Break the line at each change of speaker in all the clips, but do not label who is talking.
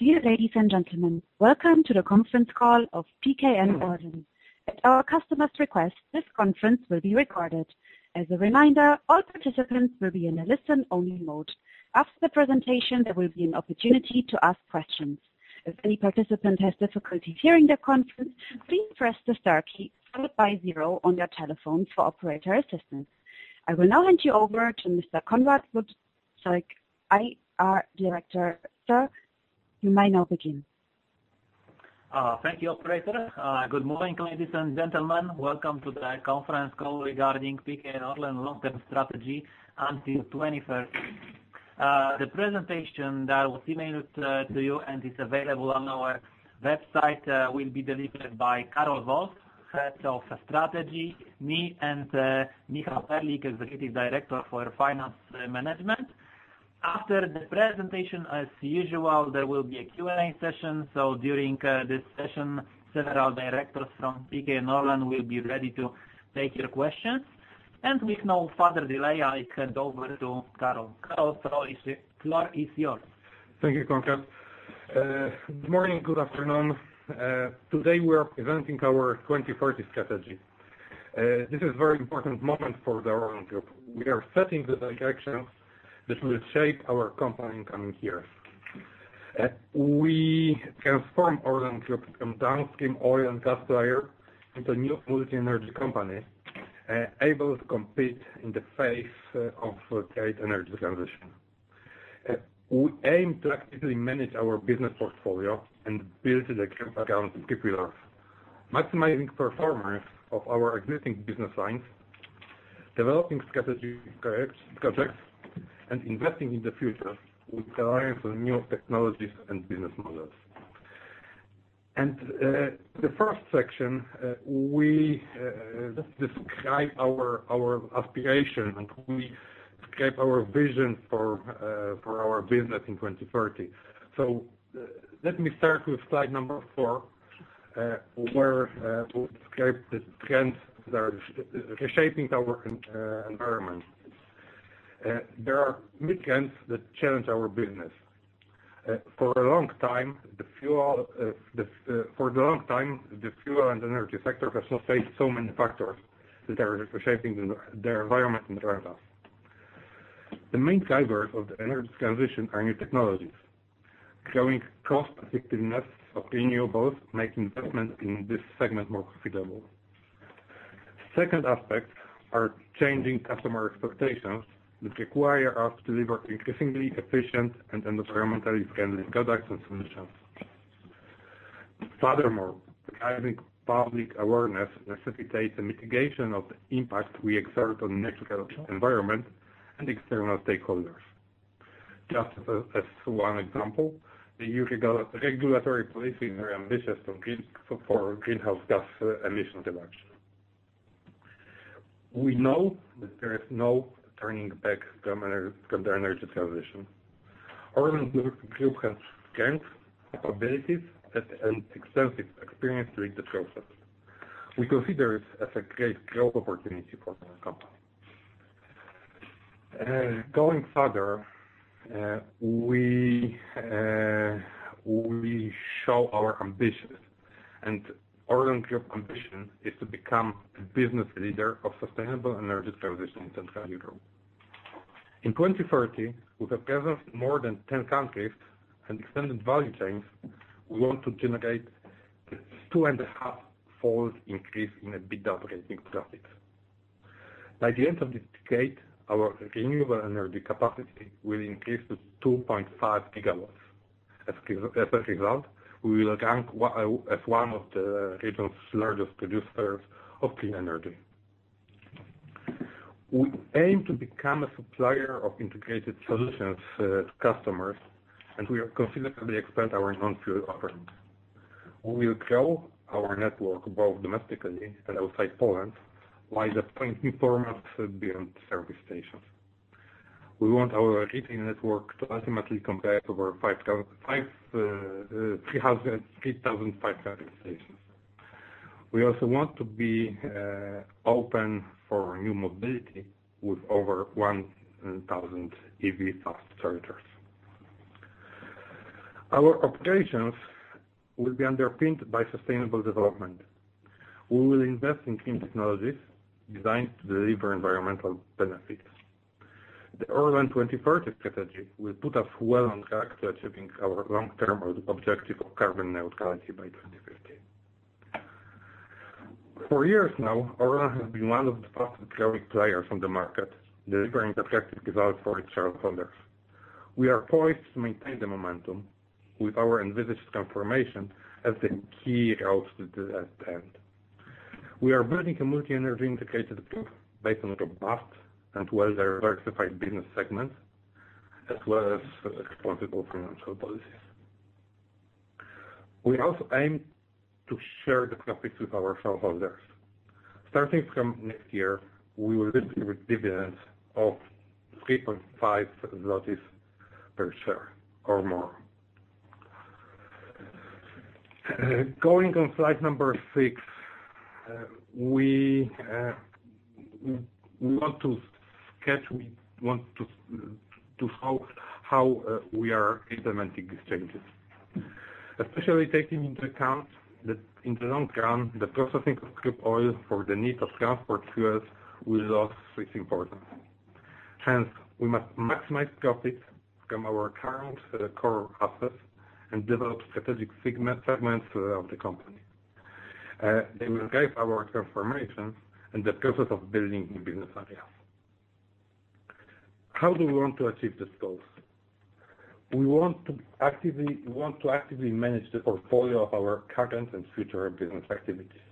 Dear ladies and gentlemen, welcome to the conference call of PKN Orlen. I will now hand you over to Mr. Konrad Włodarczyk, IR Director. Sir, you may now begin.
Thank you, operator. Good morning, ladies and gentlemen. Welcome to the conference call regarding PKN Orlen long-term strategy until 2040. The presentation that was emailed to you and is available on our website will be delivered by Karol Wolff, Head of Strategy, me, and Michał Perlik, Executive Director for Finance Management. After the presentation, as usual, there will be a Q&A session, so during this session, several directors from PKN Orlen will be ready to take your questions. With no further delay, I hand over to Karol. Karol, the floor is yours.
Thank you, Konrad. Good morning, good afternoon. Today, we're presenting our 2040 strategy. This is a very important moment for the ORLEN Group. We are setting the direction that will shape our company in the coming years. We transform ORLEN Group from downstream oil and gas player into a new multi-energy company, able to compete in the face of great energy transition. We aim to actively manage our business portfolio and build the key pillars, maximizing performance of our existing business lines, developing strategic projects, and investing in the future with reliance on new technologies and business models. In the first section, we describe our aspiration, and we describe our vision for our business in 2040. Let me start with slide number four, where we'll describe the trends that are reshaping our environment. There are many trends that challenge our business. For the long time, the fuel and energy sector has not faced so many factors that are reshaping the environment around us. The main drivers of the energy transition are new technologies. Growing cost effectiveness of renewables make investment in this segment more profitable. Second aspect are changing customer expectations that require us to deliver increasingly efficient and environmentally friendly products and solutions. Furthermore, the growing public awareness necessitates a mitigation of the impact we exert on the natural environment and external stakeholders. Just as one example, the new regulatory policy is very ambitious for greenhouse gas emission reduction. We know that there is no turning back from the energy transition. ORLEN Group has strengths, capabilities, and extensive experience during the process. We consider it as a great growth opportunity for our company. Going further, we show our ambitions. ORLEN Group ambition is to become the business leader of sustainable energy transition in CEE region. In 2030, with a presence in more than 10 countries and extended value chains, we want to generate a two and a half fold increase in EBITDA operating profits. By the end of this decade, our renewable energy capacity will increase to 2.5 GW. As a result, we will rank as one of the region's largest producers of clean energy. We aim to become a supplier of integrated solutions to customers. We have considerably expanded our non-fuel offering. We will grow our network both domestically and outside Poland, while deploying new formats beyond service stations. We want our retail network to ultimately compare to over 3,500 service stations. We also want to be open for new mobility with over 1,000 EV fast chargers. Our operations will be underpinned by sustainable development. We will invest in clean technologies designed to deliver environmental benefits. The ORLEN2030 strategy will put us well on track to achieving our long-term objective of carbon neutrality by 2050. For years now, Orlen has been one of the fastest-growing players on the market, delivering attractive results for its shareholders. We are poised to maintain the momentum with our envisaged transformation as the key route to that end. We are building a multi-energy integrated group based on robust and well-diversified business segments, as well as flexible financial policies. We also aim to share the profits with our shareholders. Starting from next year, we will distribute dividends of 3.5 zlotys per share or more. Going on slide number six. We want to sketch, we want to show how we are implementing these changes. Especially taking into account that in the long run, the processing of crude oil for the need of transport fuels will lose its importance. We must maximize profits from our current core assets and develop strategic segments of the company. They will guide our transformation and the process of building new business areas. How do we want to achieve these goals? We want to actively manage the portfolio of our current and future business activities.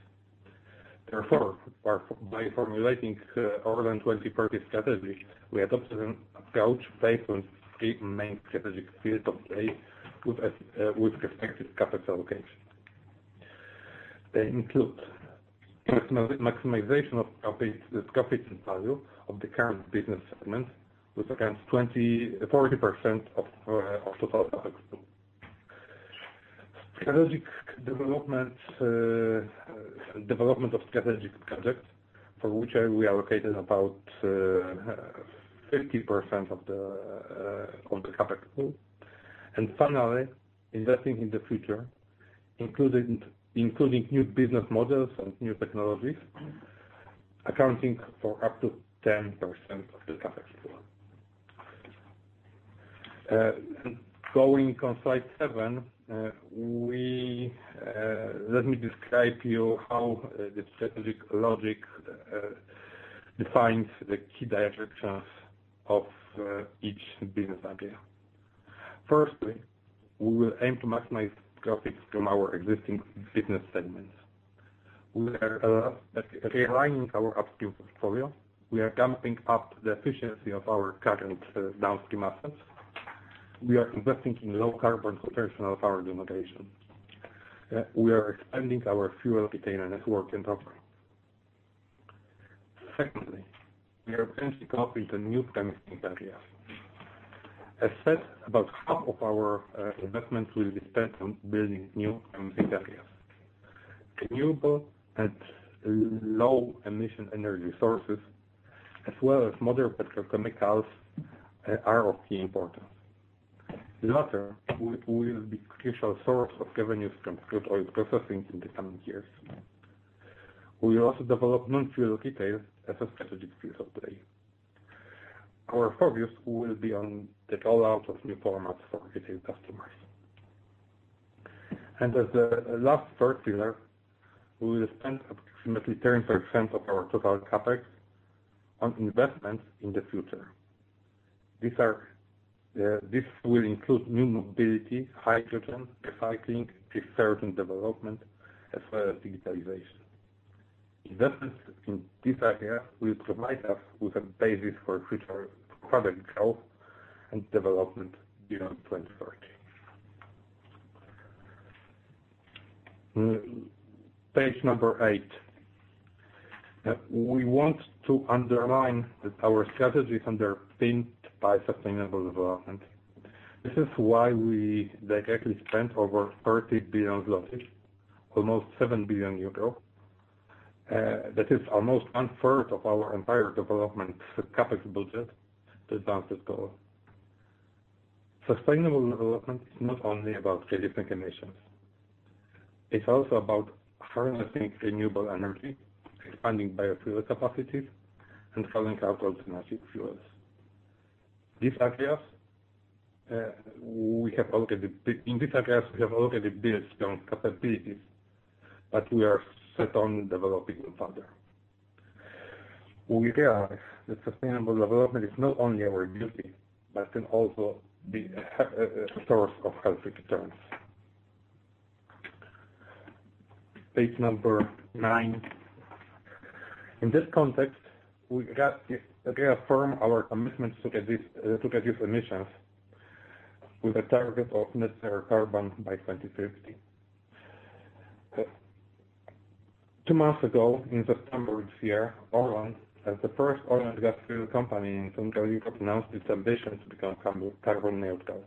By formulating ORLEN2030 strategy, we adopted an approach based on three main strategic fields of play with respective capital allocation. They include maximization of profits and value of the current business segments, which accounts 40% of total CapEx pool. Development of strategic projects for which we allocated about 50% of the capital pool. Finally, investing in the future, including new business models and new technologies, accounting for up to 10% of the CapEx pool. Going on slide seven. Let me describe to you how the strategic logic defines the key directions of each business area. Firstly, we will aim to maximize profits from our existing business segments. We are realigning our upstream portfolio. We are ramping up the efficiency of our current downstream assets. We are investing in low carbon conventional power generation. We are expanding our fuel retailer network and offer. Secondly, we are entering profits in new promising areas. As said, about half of our investments will be spent on building new promising areas. Renewable and low emission energy sources, as well as modern petrochemicals are of key importance. The latter will be a crucial source of revenues from crude oil processing in the coming years. We will also develop non-fuel retail as a strategic field of play. Our focus will be on the rollout of new formats for retail customers. As the last third pillar, we will spend approximately 10% of our total CapEx on investments in the future. This will include new mobility, hydrogen, recycling, research and development, as well as digitalization. Investments in this area will provide us with a basis for future product health and development beyond 2030. Page number eight. We want to underline that our strategy is underpinned by sustainable development. This is why we directly spent over 30 billion zloty, almost 7 billion euro. That is almost one-third of our entire development CapEx budget to advance this goal. Sustainable development is not only about reducing emissions. It's also about harnessing renewable energy, expanding biofuel capacities, and rolling out alternative fuels. In these areas, we have already built strong capabilities that we are set on developing further. We realize that sustainable development is not only our duty, but can also be a source of healthy returns. Page number nine. In this context, we reaffirm our commitment to reduce emissions with a target of net zero carbon by 2050. Two months ago, in September this year, Orlen, as the first oil and gas fuel company in Central Europe, announced its ambition to become carbon neutral.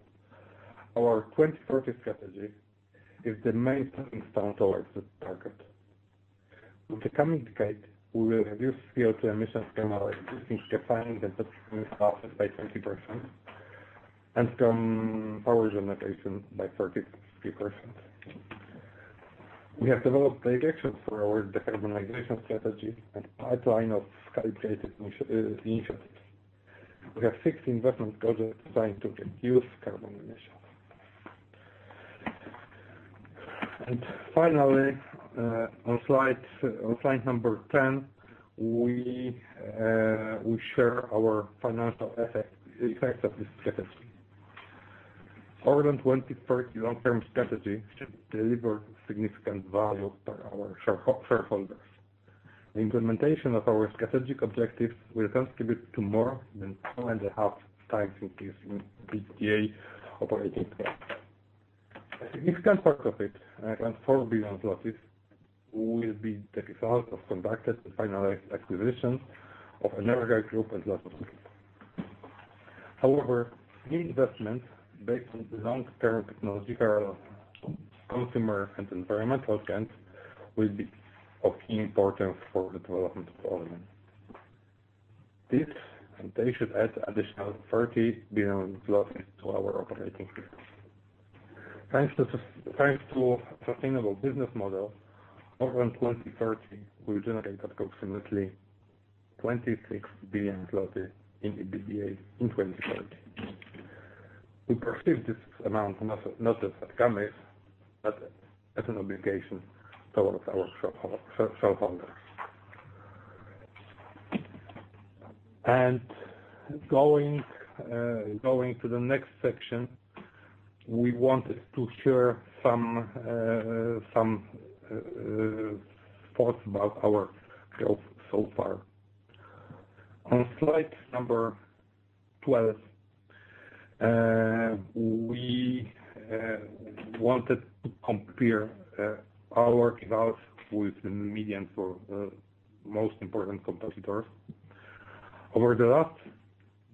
Our 2030 strategy is the main stepping stone towards this target. In the coming decade, we will reduce CO2 emissions from our existing refining and petrochemical assets by 20%, and from power generation by 33%. We have developed clear actions for our decarbonization strategy and pipeline of calibrated initiatives. We have six investment projects designed to reduce carbon emissions. Finally, on slide number 10, we share our financial effects of this strategy. ORLEN2030 long-term strategy should deliver significant value for our shareholders. The implementation of our strategic objectives will contribute to more than 2.5x increase in EBITDA operating A significant part of it, around 4 billion, will be the result of conducted and finalized acquisitions of Energa Group and LOTOS Group. However, new investments based on long-term technology parallel, consumer and environmental trends will be of key importance for the development of Orlen. They should add additional 30 billion to our operating profits. Thanks to a sustainable business model, ORLEN2030 will generate approximately PLN 26 billion in EBITDA in 2030. We perceive this amount not as a promise, but as an obligation towards our shareholders. Going to the next section, we wanted to share some thoughts about our growth so far. On slide number 12, we wanted to compare our results with the median for most important competitors. Over the last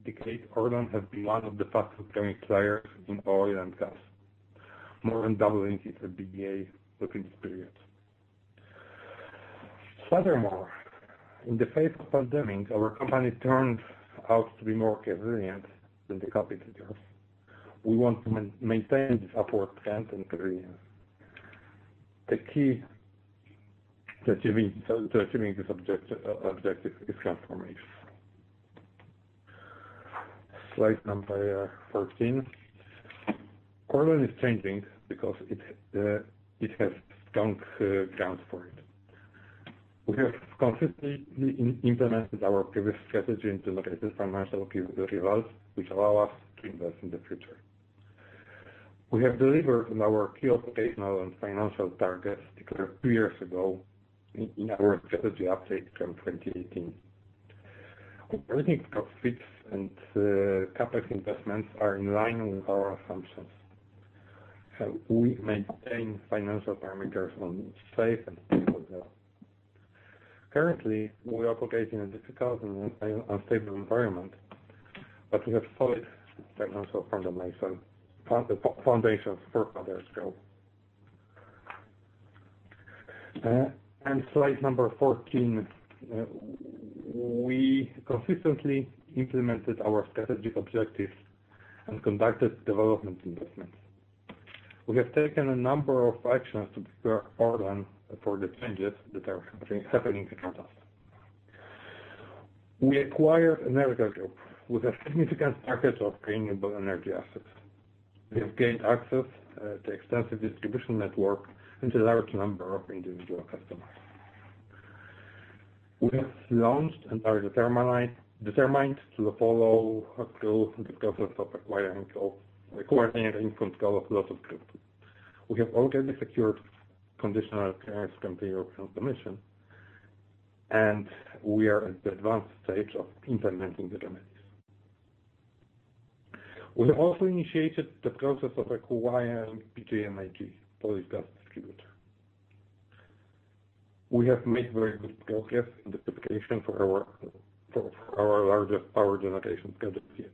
decade, Orlen has been one of the fastest-growing players in oil and gas, more than doubling its EBITDA within this period. Furthermore, in the face of pandemic, our company turned out to be more resilient than the competitors. We want to maintain this upward trend and resilience. The key to achieving this objective is transformation. Slide number 13. Orlen is changing because it has strong grounds for it. We have consistently implemented our previous strategy to generate the financial results which allow us to invest in the future. We have delivered on our key operational and financial targets declared two years ago in our strategy update from 2018. Operating profits and CapEx investments are in line with our assumptions. We maintain financial parameters on safe and stable ground. Currently, we operate in a difficult and unstable environment, but we have solid financial foundations for further growth. Slide number 14, we consistently implemented our strategic objectives and conducted development investments. We have taken a number of actions to prepare Orlen for the changes that are happening in front us. We acquired Energa Group with a significant package of renewable energy assets. We have gained access to extensive distribution network and to large number of individual customers. We have launched and are determined to follow through with the process of acquiring the controlling interest of LOTOS Group. We have already secured conditional clearance from the European Commission, and we are at the advanced stage of implementing the remedies. We have also initiated the process of acquiring PGNiG, Polish gas distributor. We have made very good progress in the preparation for our largest power generation capacity,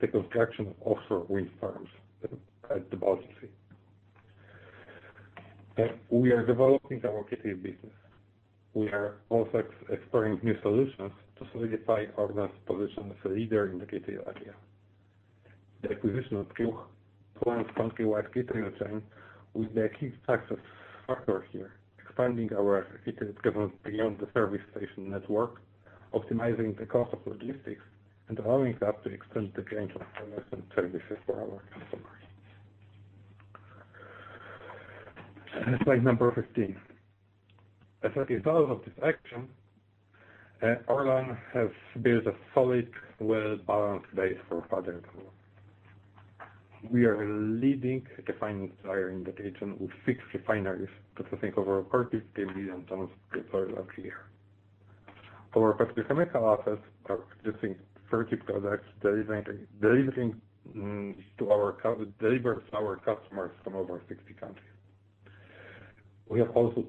the construction of offshore wind farms at the Baltic Sea. We are developing our retail business. We are also exploring new solutions to solidify Orlen's position as a leader in the retail area. The acquisition of Ruch, Poland's countrywide retail chain, will be a key success factor here, expanding our retail presence beyond the service station network, optimizing the cost of logistics, and allowing us to extend the range of products and services for our customers. Slide number 15. As a result of this action, Orlen has built a solid, well-balanced base for further growth. We are a leading refining player in the region with six refineries processing over 40 million tons of oil a year. Our petrochemical assets are producing 30 products, delivering to our customers from over 60 countries. We have also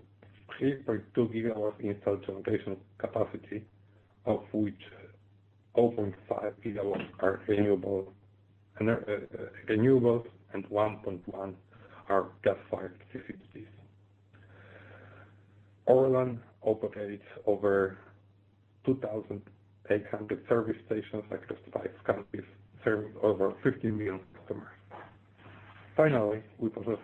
3.2 GW installed generation capacity, of which 0.5 GW are renewables, and 1.1 are gas-fired facilities. Orlen operates over 2,800 service stations across five countries, serving over 50 million customers. Finally, we possess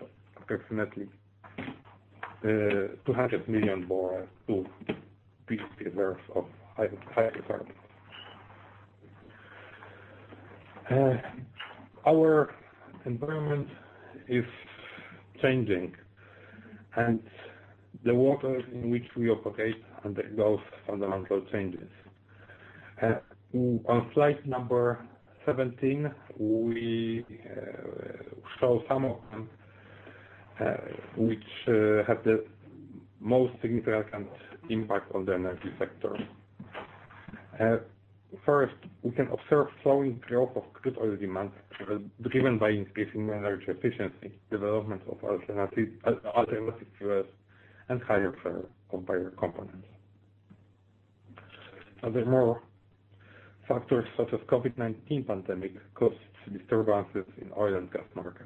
approximately 200 million barrels of proven reserves of hydrocarbons. Our environment is changing, and the world in which we operate undergoes fundamental changes. On slide number 17, we show some of them which have the most significant impact on the energy sector. First, we can observe slowing growth of crude oil demand, driven by increasing energy efficiency, development of alternative fuels, and higher fuel components. Furthermore, factors such as COVID-19 pandemic caused disturbances in oil and gas market.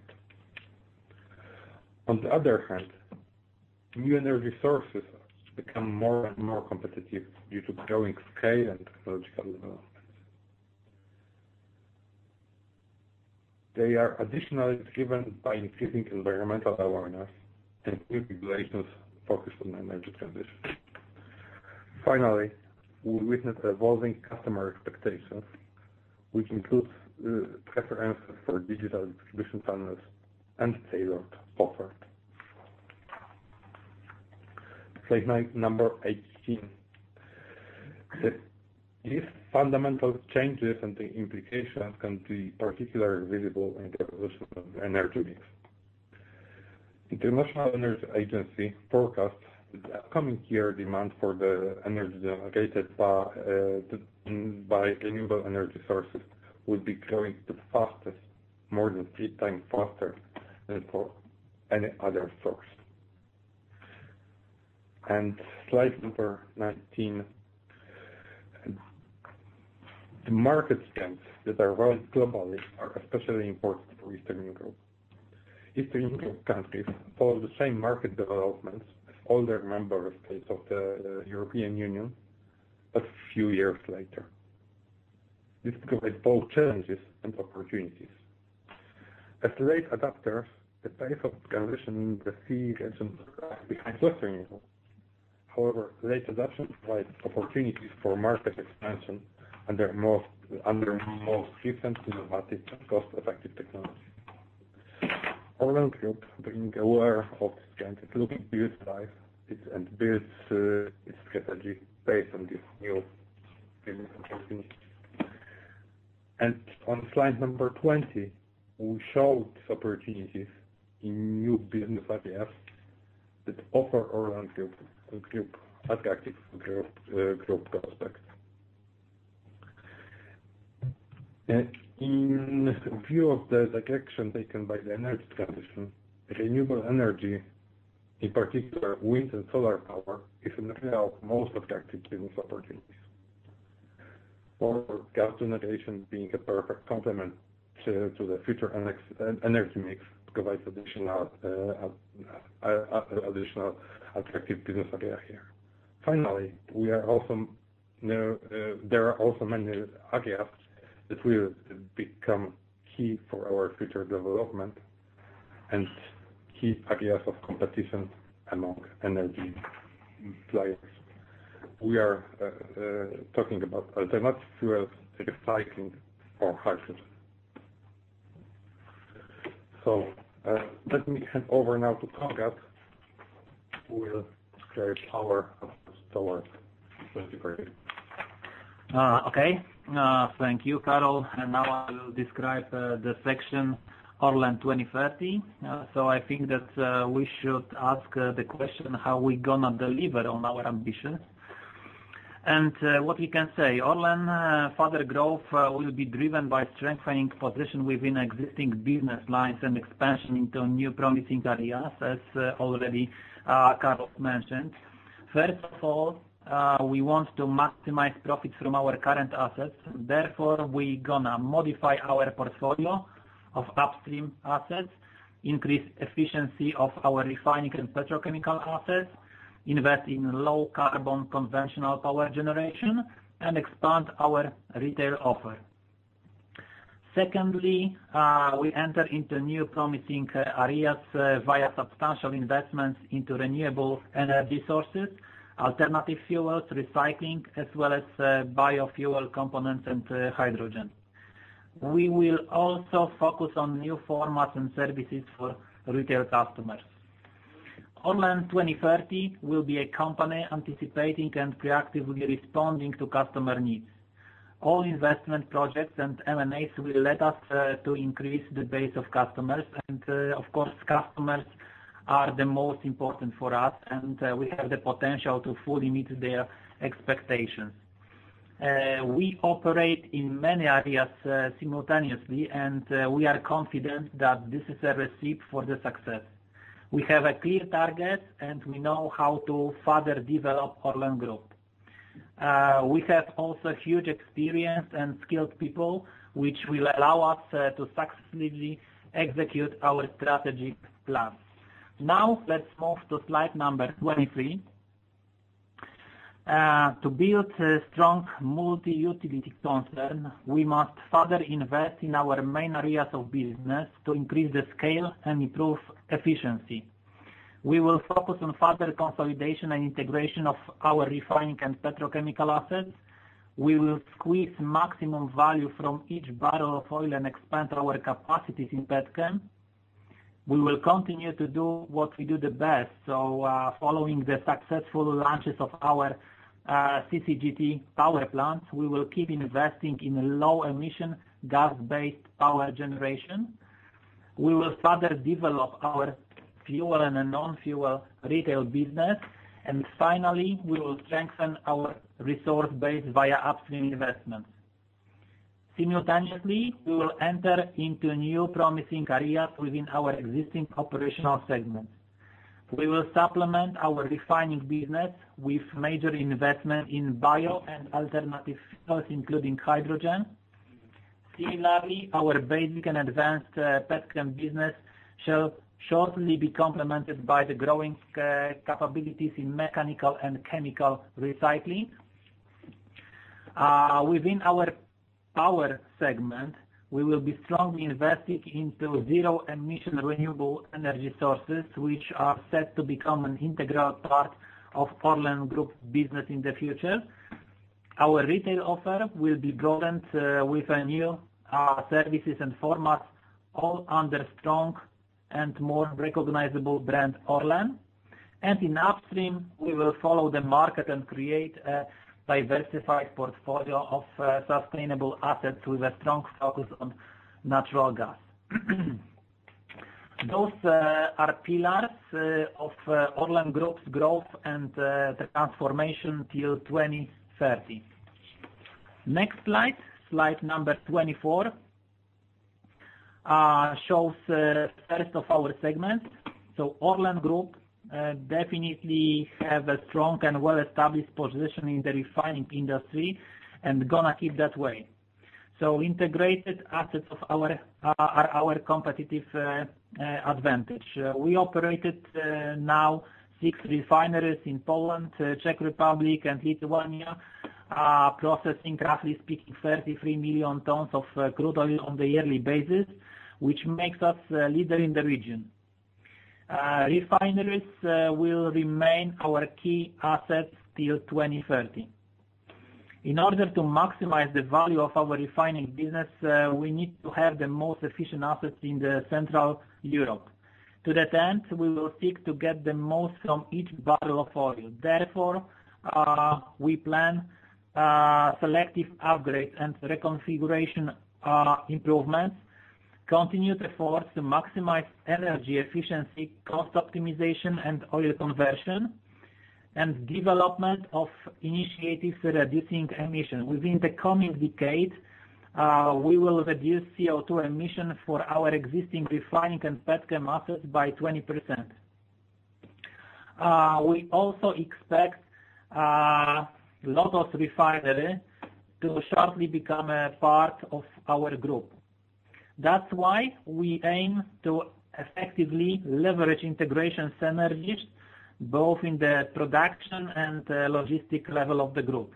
On the other hand, new energy sources become more and more competitive due to growing scale and technological developments. They are additionally driven by increasing environmental awareness and new regulations focused on energy transition. Finally, we witness evolving customer expectations, which includes preferences for digital distribution channels and tailored offer. Slide number 18. These fundamental changes and the implications can be particularly visible in the evolution of energy mix. International Energy Agency forecasts the upcoming year demand for the energy generated by renewable energy sources will be growing the fastest, more than 3x faster than for any other source. Slide number 19. The market trends that arise globally are especially important for Eastern Europe. Eastern Europe countries follow the same market developments as older member states of the European Union, a few years later. This provides both challenges and opportunities. As late adapters, the pace of transition in the CE region lags behind Western Europe. However, late adoption provides opportunities for market expansion under more efficient, innovative, and cost-effective technologies. Orlen Group, being aware of this trend, is looking to utilize it and builds its strategy based on this [new]. On slide 20, we show these opportunities in new business ideas that offer ORLEN Group attractive growth prospects. In view of the direction taken by the energy transition, renewable energy, in particular, wind and solar power, is now most attractive business opportunities. For gas generation being a perfect complement to the future energy mix, provides additional attractive business area here. Finally, there are also many ideas that will become key for our future development and key ideas of competition among energy players. We are talking about alternative fuels, recycling, or hydrogen. Let me hand over now to Konrad, who will describe our outlook 2030.
Thank you, Karol. Now I will describe the section ORLEN2030. I think that we should ask the question, how are we gonna deliver on our ambition? What we can say, ORLEN further growth will be driven by strengthening position within existing business lines and expansion into new promising areas, as already Karol mentioned. First of all, we want to maximize profits from our current assets, therefore, we're gonna modify our portfolio of upstream assets, increase efficiency of our refining and petrochemical assets, invest in low-carbon conventional power generation, and expand our retail offer. Secondly, we enter into new promising areas via substantial investments into renewable energy sources, alternative fuels, recycling, as well as biofuel components and hydrogen. We will also focus on new formats and services for retail customers. ORLEN2030 will be a company anticipating and proactively responding to customer needs. All investment projects and M&As will let us to increase the base of customers, and of course, customers are the most important for us, and we have the potential to fully meet their expectations. We operate in many areas simultaneously, and we are confident that this is a recipe for the success. We have a clear target, and we know how to further develop ORLEN Group. We have also huge experience and skilled people, which will allow us to successfully execute our strategic plans. Let's move to slide number 23. To build a strong multi-utility concern, we must further invest in our main areas of business to increase the scale and improve efficiency. We will focus on further consolidation and integration of our refining and petrochemical assets. We will squeeze maximum value from each barrel of oil and expand our capacities in petchem. We will continue to do what we do the best. Following the successful launches of our CCGT power plants, we will keep investing in low-emission gas-based power generation. We will further develop our fuel and non-fuel retail business. Finally, we will strengthen our resource base via upstream investments. Simultaneously, we will enter into new promising areas within our existing operational segments. We will supplement our refining business with major investment in bio and alternative fuels, including hydrogen. Similarly, our basic and advanced petchem business shall shortly be complemented by the growing capabilities in mechanical and chemical recycling. Within our power segment, we will be strongly invested into zero-emission renewable energy sources, which are set to become an integral part of ORLEN Group business in the future. Our retail offer will be broadened with new services and formats, all under a strong and more recognizable brand, Orlen. In upstream, we will follow the market and create a diversified portfolio of sustainable assets with a strong focus on natural gas. Those are pillars of ORLEN Group's growth and the transformation till 2030. Next slide number 24, shows the rest of our segments. ORLEN Group definitely have a strong and well-established position in the refining industry, and gonna keep that way. Integrated assets are our competitive advantage. We operated now six refineries in Poland, Czech Republic, and Lithuania, processing, roughly speaking, 33 million tons of crude oil on the yearly basis, which makes us a leader in the region. Refineries will remain our key assets till 2030. In order to maximize the value of our refining business, we need to have the most efficient assets in the Central Europe. To that end, we will seek to get the most from each barrel of oil. Therefore, we plan selective upgrade and reconfiguration improvements, continued efforts to maximize energy efficiency, cost optimization, and oil conversion, and development of initiatives reducing emission. Within the coming decade, we will reduce CO2 emission for our existing refining and petchem assets by 20%. We also expect Lotos refinery to shortly become a part of our group. That's why we aim to effectively leverage integration synergies, both in the production and logistic level of the group.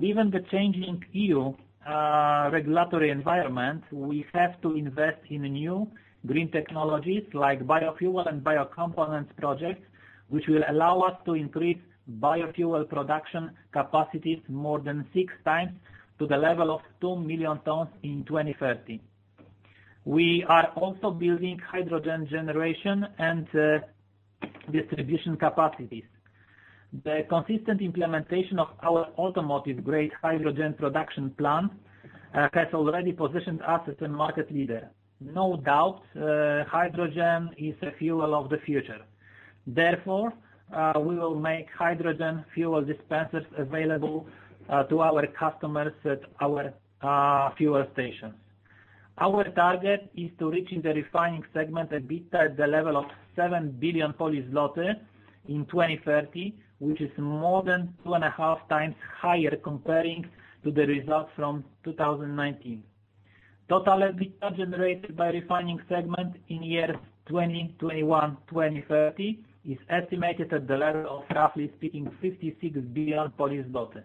Given the changing EU regulatory environment, we have to invest in new green technologies like biofuel and biocomponents projects, which will allow us to increase biofuel production capacities more than six times to the level of 2 million tons in 2030. We are also building hydrogen generation and distribution capacities. The consistent implementation of our automotive-grade hydrogen production plant has already positioned us as the market leader. No doubt, hydrogen is the fuel of the future. Therefore, we will make hydrogen fuel dispensers available to our customers at our fuel stations. Our target is to reach in the refining segment EBITDA at the level of 7 billion Polish zloty in 2030, which is more than 2.5x higher comparing to the results from 2019. Total EBITDA generated by refining segment in years 2021, 2030 is estimated at the level of, roughly speaking, 56 billion Polish zloty.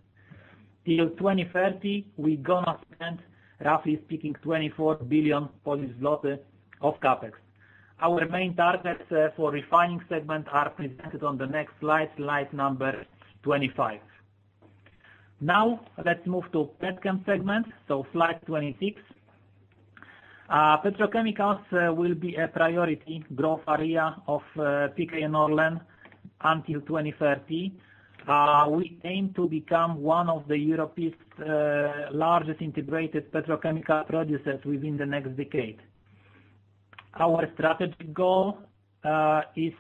Till 2030, we're going to spend, roughly speaking, 24 billion Polish zloty of CapEx. Our main targets for refining segment are presented on the next slide number 25. Now, let's move to petchem segment. Slide 26. Petrochemicals will be a priority growth area of PKN Orlen until 2030. We aim to become one of the Europe's largest integrated petrochemical producers within the next decade. Our strategic goal is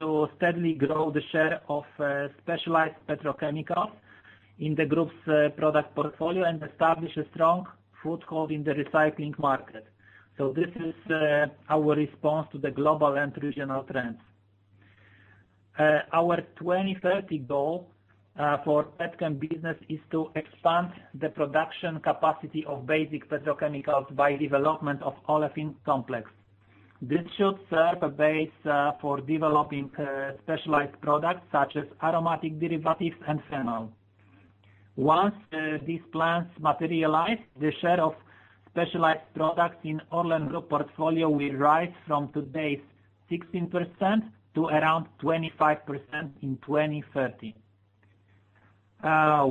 to steadily grow the share of specialized petrochemicals in the group's product portfolio and establish a strong foothold in the recycling market. This is our response to the global and regional trends. Our 2030 goal for petchem business is to expand the production capacity of basic petrochemicals by development of olefin complex. This should serve a base for developing specialized products such as aromatic derivatives and phenol. Once these plants materialize, the share of specialized products in ORLEN Group portfolio will rise from today's 16% to around 25% in 2030.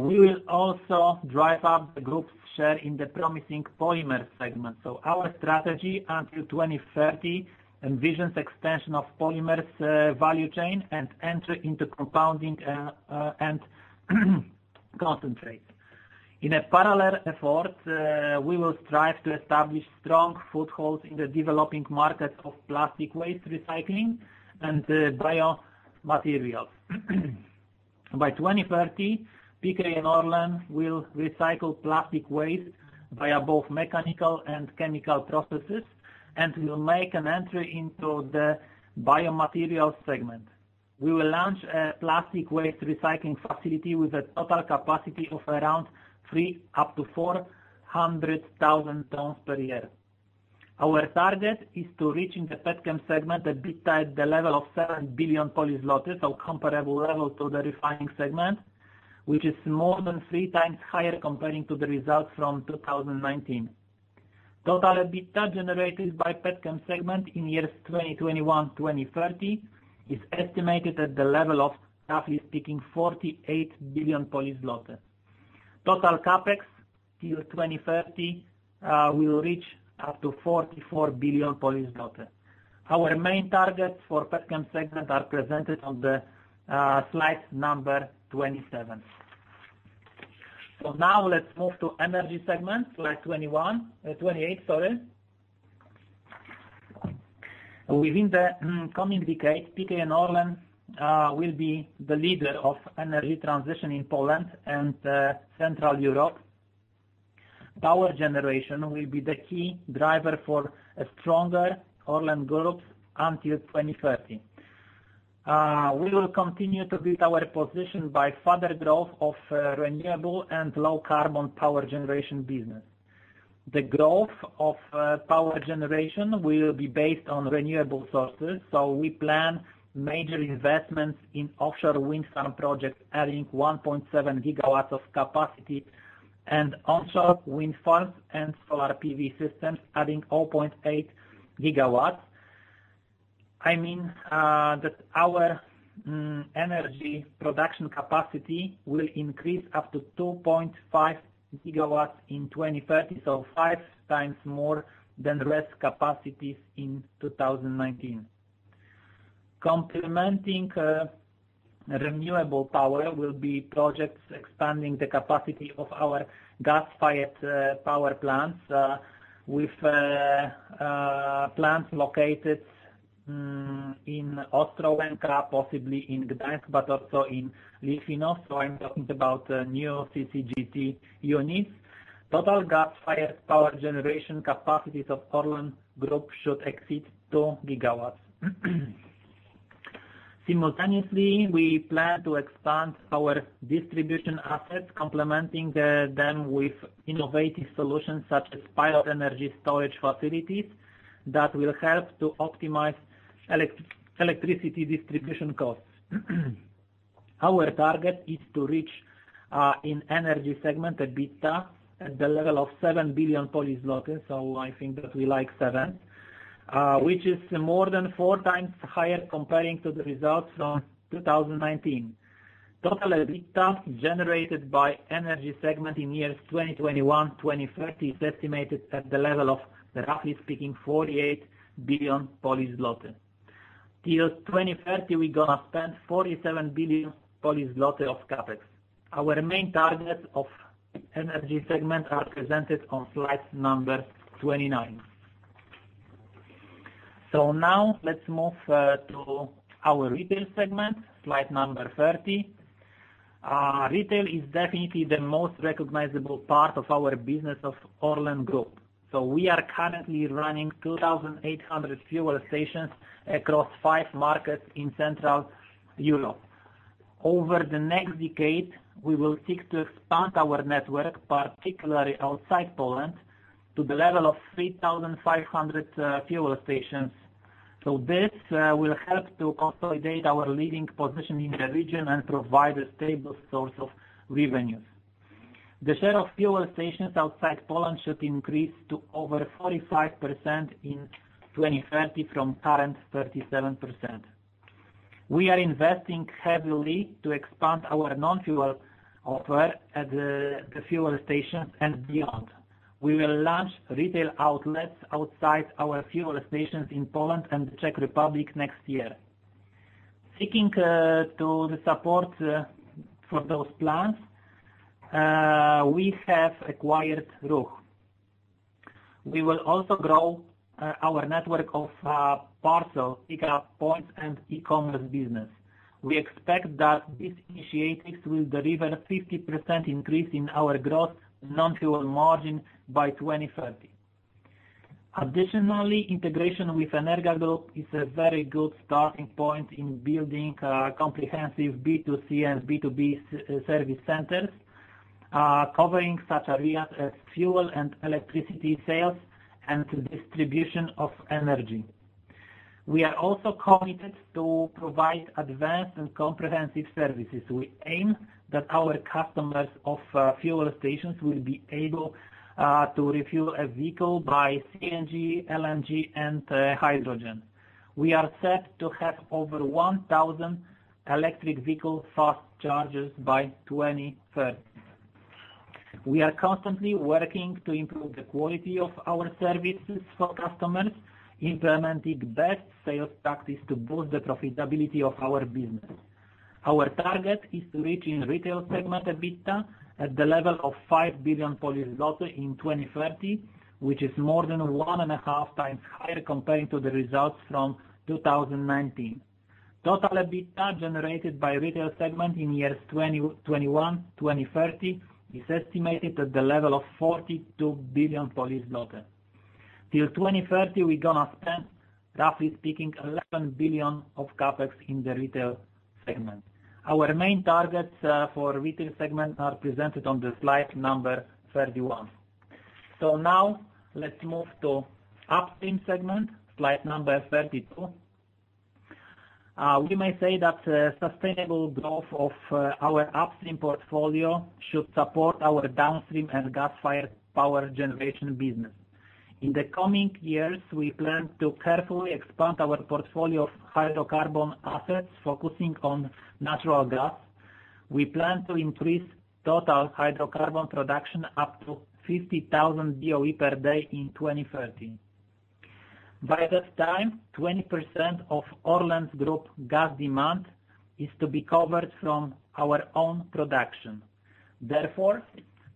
We will also drive up the group's share in the promising polymers segment. Our strategy until 2030 envisions expansion of polymers value chain and enter into compounding and concentrate. In a parallel effort, we will strive to establish strong footholds in the developing market of plastic waste recycling and biomaterials. By 2030, PKN Orlen will recycle plastic waste via both mechanical and chemical processes, and will make an entry into the biomaterials segment. We will launch a plastic waste recycling facility with a total capacity of around three up to 400,000 tons per year. Our target is to reach in the Petchem segment, EBITDA, at the level of 7 billion, or comparable level to the refining segment, which is more than 3x higher comparing to the results from 2019. Total EBITDA generated by Petchem segment in years 2021 to 2030 is estimated at the level of, roughly speaking, 48 billion. Total CapEx till 2030 will reach up to 44 billion. Our main targets for Petchem segment are presented on the slide number 27. Now let's move to energy segment, slide 28. Within the coming decade, PKN Orlen will be the leader of energy transition in Poland and Central Europe. Power generation will be the key driver for a stronger ORLEN Group until 2030. We will continue to build our position by further growth of renewable and low-carbon power generation business. The growth of power generation will be based on renewable sources. We plan major investments in offshore wind farm projects, adding 1.7 GW of capacity, and onshore wind farms and solar PV systems, adding 0.8 GW. I mean that our energy production capacity will increase up to 2.5 GW in 2030, 5x more than less capacities in 2019. Complementing renewable power will be projects expanding the capacity of our gas-fired power plants with plants located in Ostrołęka, possibly in Gdańsk but also in Płock. I'm talking about new CCGT units. Total gas-fired power generation capacities of ORLEN Group should exceed 2 GW. Simultaneously, we plan to expand our distribution assets, complementing them with innovative solutions such as pilot energy storage facilities that will help to optimize electricity distribution costs. Our target is to reach, in energy segment, EBITDA at the level of 7 billion, so I think that we like seven, which is more than 4x higher comparing to the results from 2019. Total EBITDA generated by energy segment in years 2021-2030, is estimated at the level of, roughly speaking, 48 billion zloty. Till 2030, we're gonna spend 47 billion zloty of CapEx. Our main targets of energy segment are presented on slide number 29. Now let's move to our retail segment, slide number 30. Retail is definitely the most recognizable part of our business of ORLEN Group. We are currently running 2,800 fuel stations across five markets in Central Europe. Over the next decade, we will seek to expand our network, particularly outside Poland, to the level of 3,500 fuel stations. This will help to consolidate our leading position in the region and provide a stable source of revenues. The share of fuel stations outside Poland should increase to over 45% in 2030 from current 37%. We are investing heavily to expand our non-fuel offer at the fuel stations and beyond. We will launch retail outlets outside our fuel stations in Poland and the Czech Republic next year. Seeking to the support for those plans, we have acquired Ruch. We will also grow our network of parcel pickup points and e-commerce business. We expect that these initiatives will deliver 50% increase in our gross non-fuel margin by 2030. Additionally, integration with Energa Group is a very good starting point in building comprehensive B2C and B2B service centers, covering such areas as fuel and electricity sales and distribution of energy. We are also committed to provide advanced and comprehensive services. We aim that our customers of fuel stations will be able to refuel a vehicle by CNG, LNG, and hydrogen. We are set to have over 1,000 electric vehicle fast chargers by 2030. We are constantly working to improve the quality of our services for customers, implementing best sales practice to boost the profitability of our business. Our target is to reach in retail segment EBITDA at the level of 5 billion Polish zloty in 2030, which is more than 1.5x higher comparing to the results from 2019. Total EBITDA generated by retail segment in years 2021, 2030 is estimated at the level of PLN 42 billion. Till 2030, we're gonna spend, roughly speaking, 11 billion of CapEx in the retail segment. Our main targets for retail segment are presented on the slide number 31. Now let's move to upstream segment, slide number 32. We may say that sustainable growth of our upstream portfolio should support our downstream and gas-fired power generation business. In the coming years, we plan to carefully expand our portfolio of hydrocarbon assets, focusing on natural gas. We plan to increase total hydrocarbon production up to 50,000 BOE per day in 2030. By that time, 20% of ORLEN Group gas demand is to be covered from our own production. Therefore,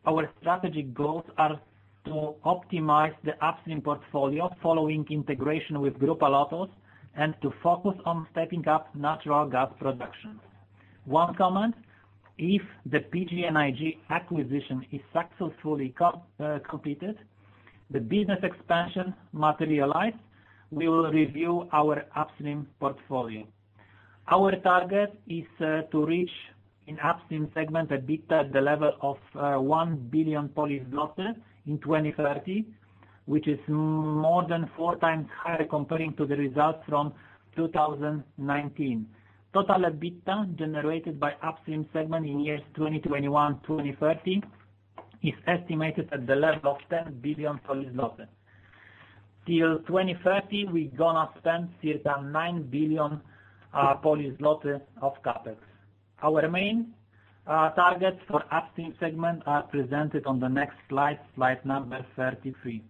our strategic goals are to optimize the upstream portfolio following integration with Grupa LOTOS, and to focus on stepping up natural gas production. One comment, if the PGNiG acquisition is successfully completed, the business expansion materialize, we will review our upstream portfolio. Our target is to reach in upstream segment, EBITDA at the level of 1 billion in 2030, which is more than 4x higher comparing to the results from 2019. Total EBITDA generated by upstream segment in years 2021, 2030 is estimated at the level of 10 billion. Till 2030, we're gonna spend certain 9 billion of CapEx. Our main targets for upstream segment are presented on the next slide number 33.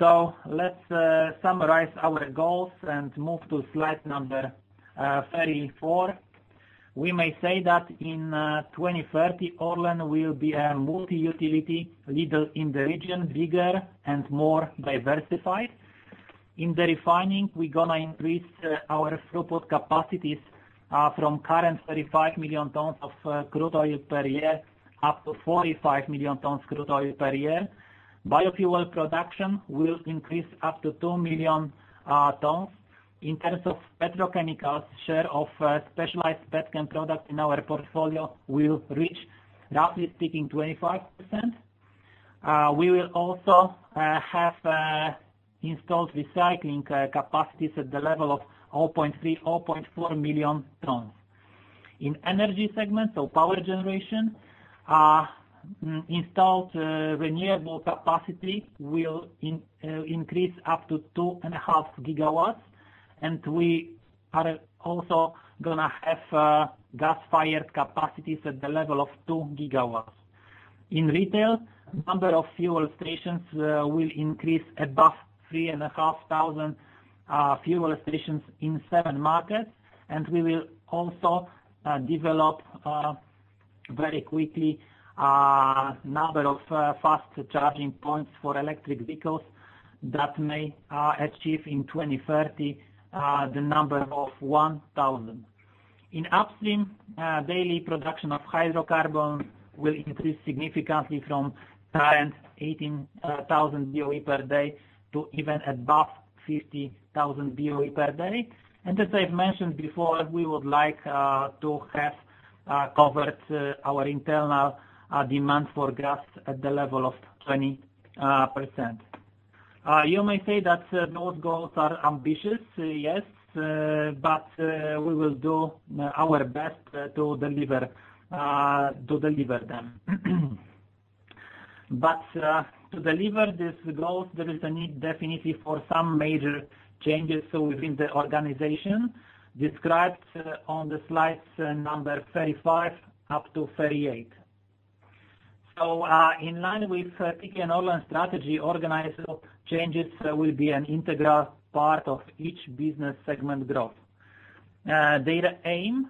Let's summarize our goals and move to slide number 34. We may say that in 2030, Orlen will be a multi-utility leader in the region, bigger and more diversified. In the refining, we're gonna increase our throughput capacities from current 35 million tons of crude oil per year up to 45 million tons crude oil per year. Biofuel production will increase up to 2 million tons. In terms of petrochemicals, share of specialized petchem product in our portfolio will reach, roughly speaking, 25%. We will also have installed recycling capacities at the level of 0.3, 0.4 million tons. In energy segment, so power generation, installed renewable capacity will increase up to 2.5 GW, and we are also gonna have gas-fired capacities at the level of 2 GW. In retail, number of fuel stations will increase above 3,500 fuel stations in seven markets, and we will also develop very quickly number of fast charging points for electric vehicles that may achieve in 2030, the number of 1,000. In upstream, daily production of hydrocarbons will increase significantly from current 18,000 BOE per day to even above 50,000 BOE per day. As I've mentioned before, we would like to have covered our internal demand for gas at the level of 20%. You may say that those goals are ambitious. Yes. We will do our best to deliver them. To deliver these goals, there is a need definitely for some major changes within the organization described on the slides number 35 up to 38. In line with ORLEN Group Strategy, organizational changes will be an integral part of each business segment growth. Their aim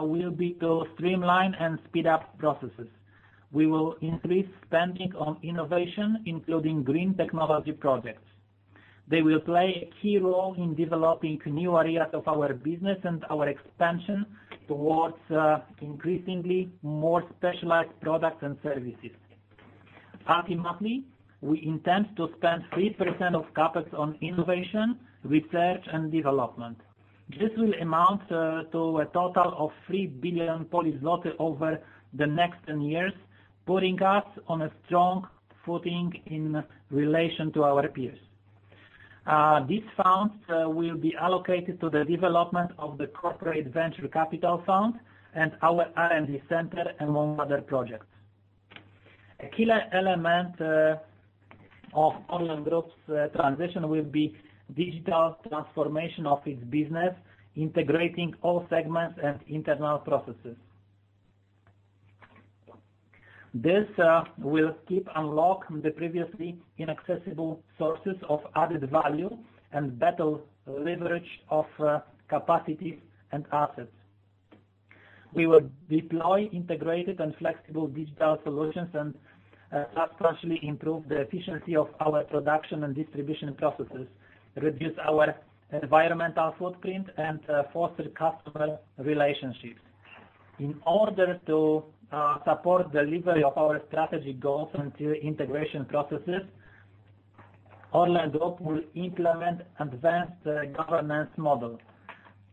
will be to streamline and speed up processes. We will increase spending on innovation, including green technology projects. They will play a key role in developing new areas of our business and our expansion towards increasingly more specialized products and services. Ultimately, we intend to spend 3% of CapEx on innovation, research and development. This will amount to a total of 3 billion over the next 10 years, putting us on a strong footing in relation to our peers. These funds will be allocated to the development of the corporate venture capital fund and our R&D center, among other projects. A key element of ORLEN Group's transition will be digital transformation of its business, integrating all segments and internal processes. This will unlock the previously inaccessible sources of added value and better leverage of capacities and assets. We will deploy integrated and flexible digital solutions and substantially improve the efficiency of our production and distribution processes, reduce our environmental footprint, and foster customer relationships. In order to support delivery of our strategy goals into integration processes, ORLEN Group will implement advanced governance model.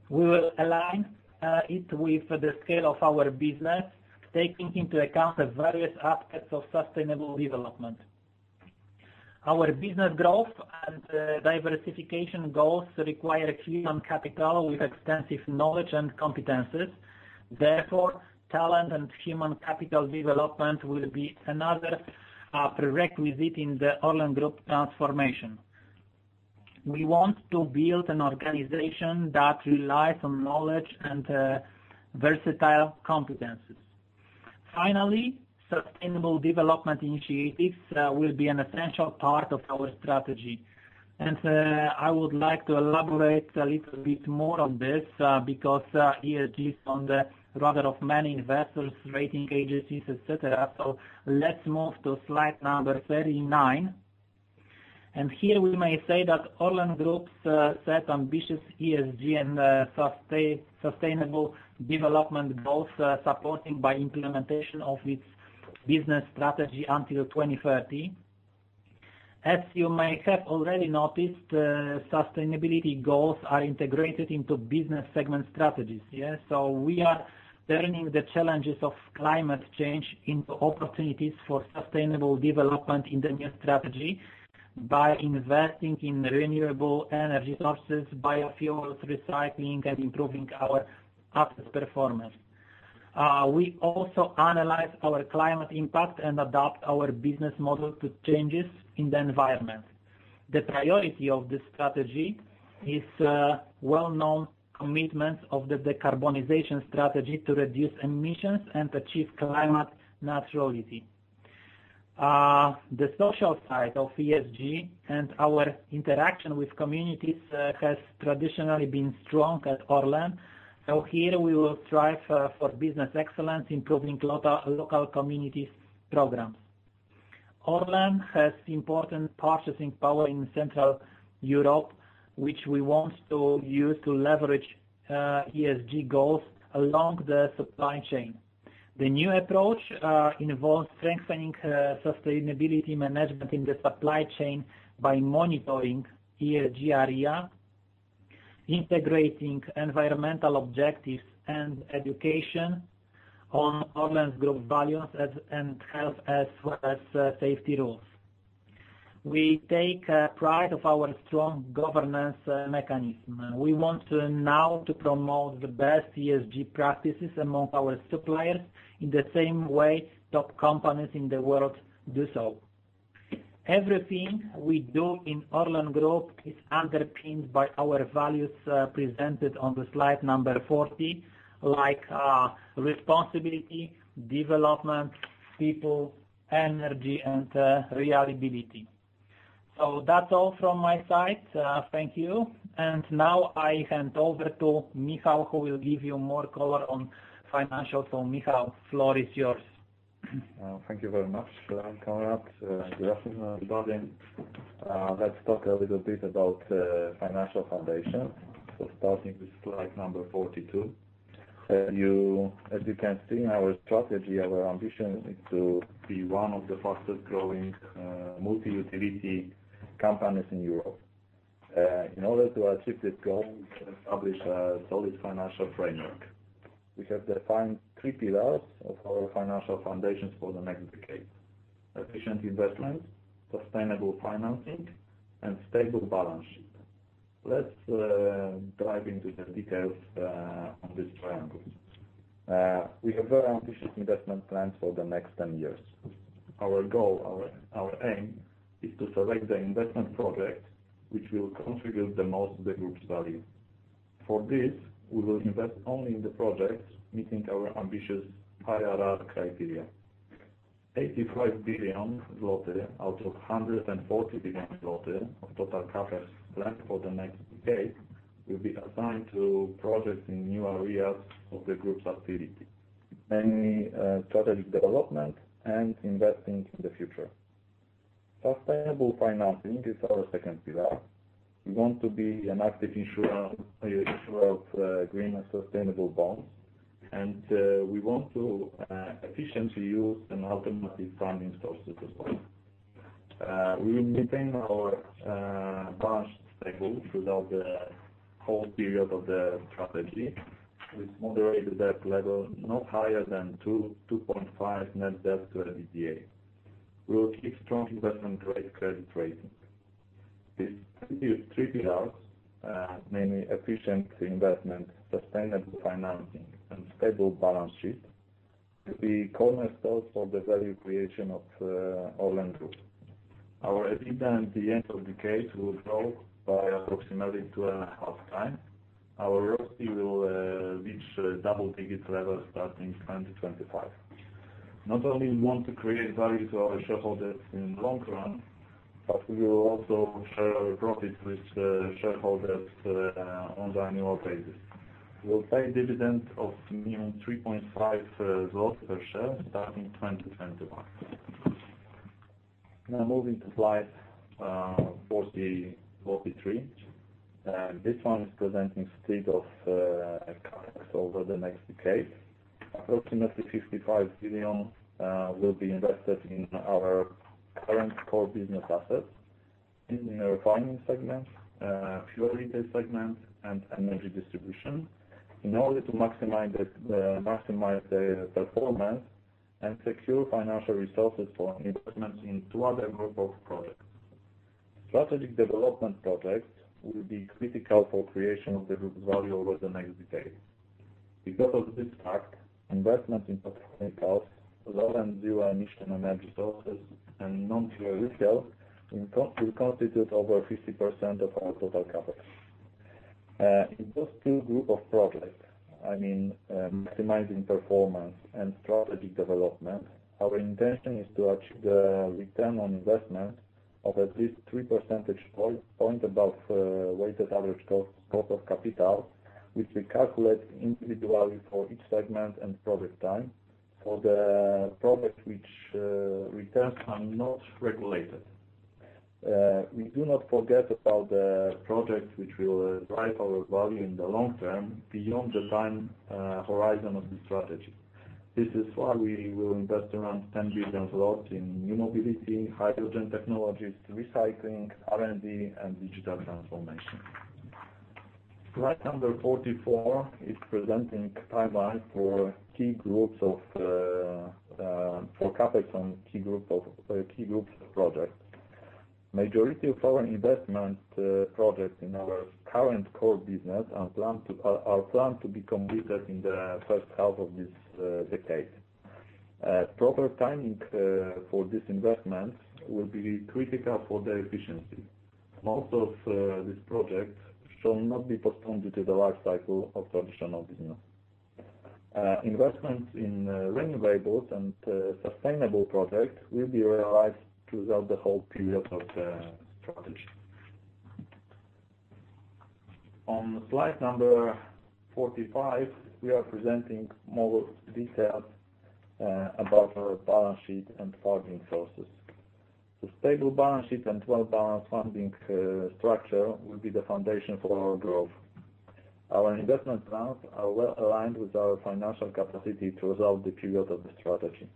We will align it with the scale of our business, taking into account the various aspects of sustainable development. Our business growth and diversification goals require human capital with extensive knowledge and competencies. Talent and human capital development will be another prerequisite in the ORLEN Group transformation. We want to build an organization that relies on knowledge and versatile competencies. Sustainable development initiatives will be an essential part of our strategy. I would like to elaborate a little bit more on this, because ESG is on the radar of many investors, rating agencies, et cetera. Let's move to slide number 39. Here we may say that ORLEN Group's set ambitious ESG and sustainable development goals, supporting by implementation of its business strategy until 2030. As you may have already noticed, sustainability goals are integrated into business segment strategies. We are turning the challenges of climate change into opportunities for sustainable development in the new strategy by investing in renewable energy sources, biofuels, recycling, and improving our assets' performance. We also analyze our climate impact and adapt our business model to changes in the environment. The priority of this strategy is well-known commitments of the decarbonization strategy to reduce emissions and achieve climate neutrality. The social side of ESG and our interaction with communities has traditionally been strong at Orlen. Here we will strive for business excellence, improving local communities programs. Orlen has important purchasing power in Central Europe, which we want to use to leverage ESG goals along the supply chain. The new approach involves strengthening sustainability management in the supply chain by monitoring ESG area, integrating environmental objectives, and education on ORLEN Group values and health, as well as safety rules. We take pride of our strong governance mechanism. We want now to promote the best ESG practices among our suppliers in the same way top companies in the world do so. Everything we do in ORLEN Group is underpinned by our values presented on the slide number 40, like responsibility, development, people, energy, and reliability. That's all from my side. Thank you. Now I hand over to Michał, who will give you more color on financials. Michał, floor is yours.
Thank you very much, Konrad. Good afternoon, everybody. Let's talk a little bit about financial foundation. Starting with slide number 42. As you can see in our strategy, our ambition is to be one of the fastest growing multi-utility companies in Europe. In order to achieve this goal, we've established a solid financial framework. We have defined three pillars of our financial foundations for the next decade: efficient investment, sustainable financing, and stable balance sheet. Let's dive into the details on this triangle. We have very ambitious investment plans for the next 10 years. Our goal, our aim, is to select the investment project, which will contribute the most to the group's value. For this, we will invest only in the projects meeting our ambitious IRR criteria. 85 billion zloty out of 140 billion zloty of total CapEx planned for the next decade will be assigned to projects in new areas of the ORLEN Group's activity, mainly strategic development and investing in the future. Sustainable financing is our second pillar. We want to be an active issuer of green and sustainable bonds, and we want to efficiently use an alternative funding sources as well. We maintain our balance stable throughout the whole period of the strategy, with moderate debt level, not higher than 2-2.5 net debt to EBITDA. We will keep strong investment-grade credit rating. These three pillars, namely efficient investment, sustainable financing, and stable balance sheet, will be cornerstones for the value creation of ORLEN Group. Our EBITDA at the end of the decade will grow by approximately 2.5x. Our ROACE will reach double-digit levels starting 2025. Not only we want to create value to our shareholders in long run, but we will also share our profits with shareholders on the annual basis. We'll pay dividend of minimum 3.5 zloty per share starting 2021. Moving to slide 43. This one is presenting state of CapEx over the next decade. Approximately 55 billion will be invested in our current core business assets in the refining segment, fuel retail segment, and energy distribution, in order to maximize the performance and secure financial resources for investments in two other group of projects. Strategic development projects will be critical for creation of the group's value over the next decade. Investment in petrochemicals, low and zero emission energy sources and non-fuel retail will constitute over 50% of our total CapEx. In those two group of projects, I mean, maximizing performance and strategic development, our intention is to achieve the return on investment of at least three percentage point above weighted average cost of capital, which we calculate individually for each segment and project type for the project which returns are not regulated. We do not forget about the projects which will drive our value in the long term, beyond the time horizon of this strategy. This is why we will invest around PLN 10 billion in new mobility, hydrogen technologies, recycling, R&D, and digital transformation. Slide number 44 is presenting timeline for CapEx on key groups of projects. Majority of our investment projects in our current core business are planned to be completed in the first half of this decade. Proper timing for this investment will be critical for their efficiency. Most of these projects shall not be postponed due to the life cycle of traditional business. Investments in renewables and sustainable projects will be realized throughout the whole period of the strategy. On slide number 45, we are presenting more details about our balance sheet and funding sources. A stable balance sheet and well-balanced funding structure will be the foundation for our growth. Our investment plans are well-aligned with our financial capacity throughout the period of the strategy.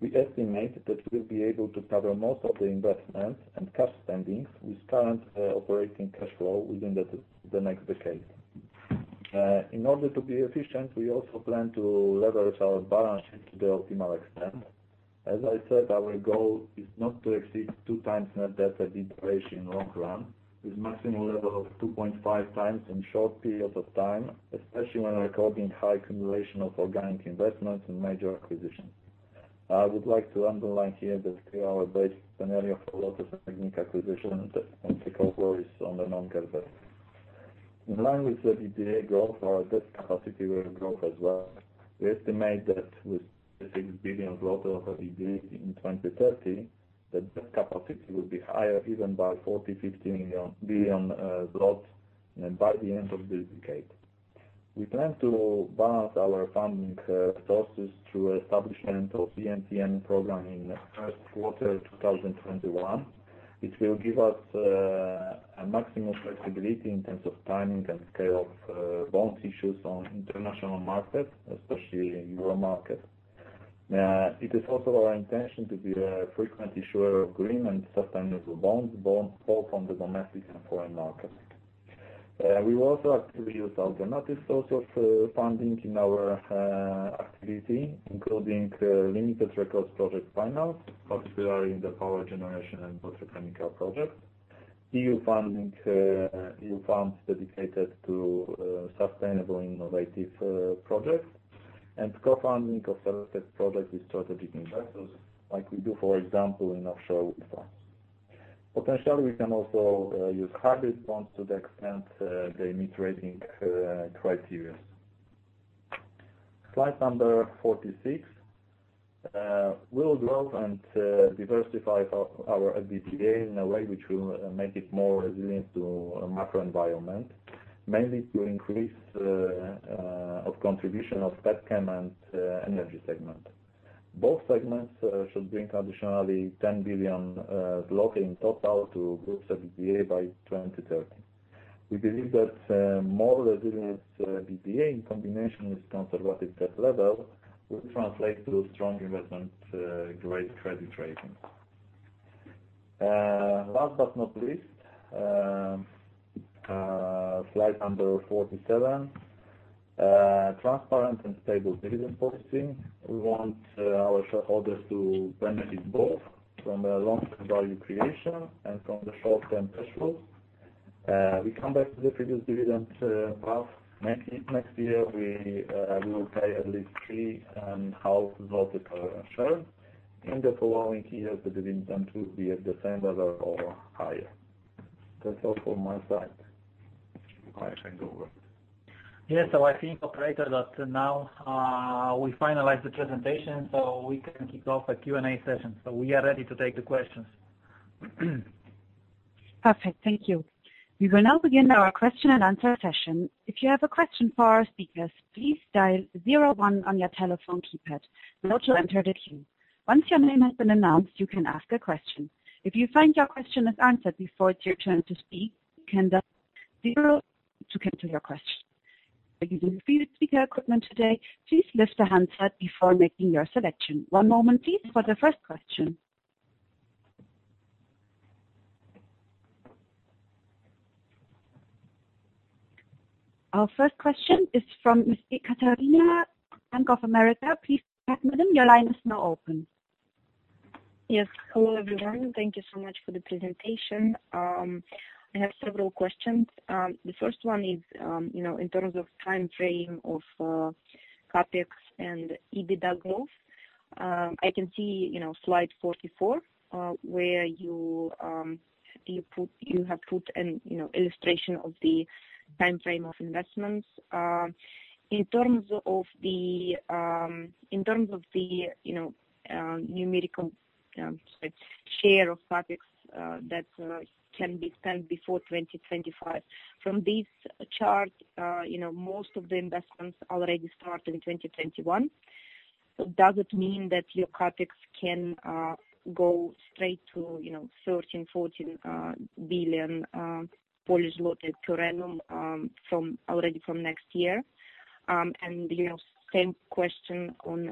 We estimate that we'll be able to cover most of the investments and cash spendings with current operating cash flow within the next decade. In order to be efficient, we also plan to leverage our balance sheet to the optimal extent. As I said, our goal is not to exceed 2x net debt at EBITDA in long run, with maximum level of 2.5x in short periods of time, especially when recording high accumulation of organic investments and major acquisitions. I would like to underline here that our base scenario for Orlen's PGNiG acquisition and takeover is on the non-cash basis. In line with the EBITDA growth, our debt capacity will grow as well. We estimate that with 26 billion zlotys of EBITDA in 2030, the debt capacity will be higher even by 40 billion-50 billion zlotys by the end of this decade. We plan to balance our funding sources through establishment of EMTN program in first quarter 2021, which will give us a maximum flexibility in terms of timing and scale of bonds issues on international market, especially in Euro market. It is also our intention to be a frequent issuer of green and sustainable bonds, both on the domestic and foreign market. We will also actively use alternative source of funding in our activity, including limited recourse project finance, particularly in the power generation and petrochemical projects. EU funds dedicated to sustainable innovative projects and co-funding of selected projects with strategic investors, like we do for example in offshore wind farms. Potentially, we can also use hybrid bonds to the extent they meet rating criteria. Slide number 46. We'll grow and diversify our EBITDA in a way which will make it more resilient to macro environment, mainly to increase of contribution of petchem and energy segment. Both segments should bring additionally 10 billion in total to Group's EBITDA by 2030. We believe that more resilient EBITDA, in combination with conservative debt level, will translate to strong investment-grade credit ratings. Last but not least, slide number 47. Transparent and stable dividend policy. We want our shareholders to benefit both from the long-term value creation and from the short-term cash flow. We come back to the previous dividend path. Next year, we will pay at least PLN 3.5 Per share. In the following years, the dividend will be at the same level or higher. That's all from my side. I hand over.
Yes. I think, operator, that now we finalize the presentation, we can kick off a Q&A session. We are ready to take the questions.
Perfect. Thank you. We will now begin our question and answer session. If you have a question for our speakers, please dial zero-one on your telephone keypad. That will enter the queue. Once your name has been announced, you can ask a question. If you find your question is answered before it's your turn to speak, you can dial zero to cancel your question. If you're using speaker equipment today, please lift the handset before making your selection. One moment please for the first question. Our first question is from Ms. Ekaterina, Bank of America. Please go ahead, madam. Your line is now open.
Yes. Hello, everyone. Thank you so much for the presentation. I have several questions. The first one is in terms of timeframe of CapEx and EBITDA growth. I can see slide 44, where you have put an illustration of the timeframe of investments. In terms of the numerical share of CapEx that can be spent before 2025. From this chart, most of the investments already start in 2021. Does it mean that your CapEx can go straight to 13 billion-14 billion per annum already from next year? Same question on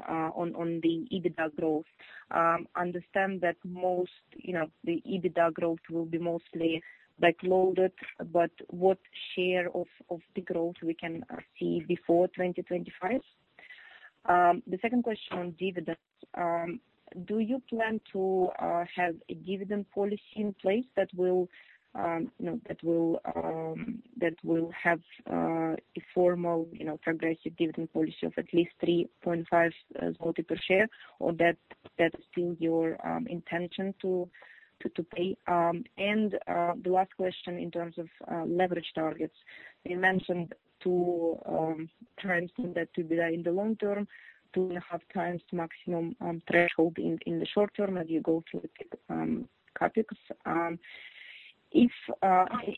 the EBITDA growth. I understand that the EBITDA growth will be mostly back-loaded, but what share of the growth we can see before 2025? The second question on dividends. Do you plan to have a dividend policy in place that will have a formal progressive dividend policy of at least 3.5 zloty per share, or that is still your intention to pay? The last question in terms of leverage targets. You mentioned to try and keep that to be there in the long term, 2.5x maximum threshold in the short term as you go through the CapEx.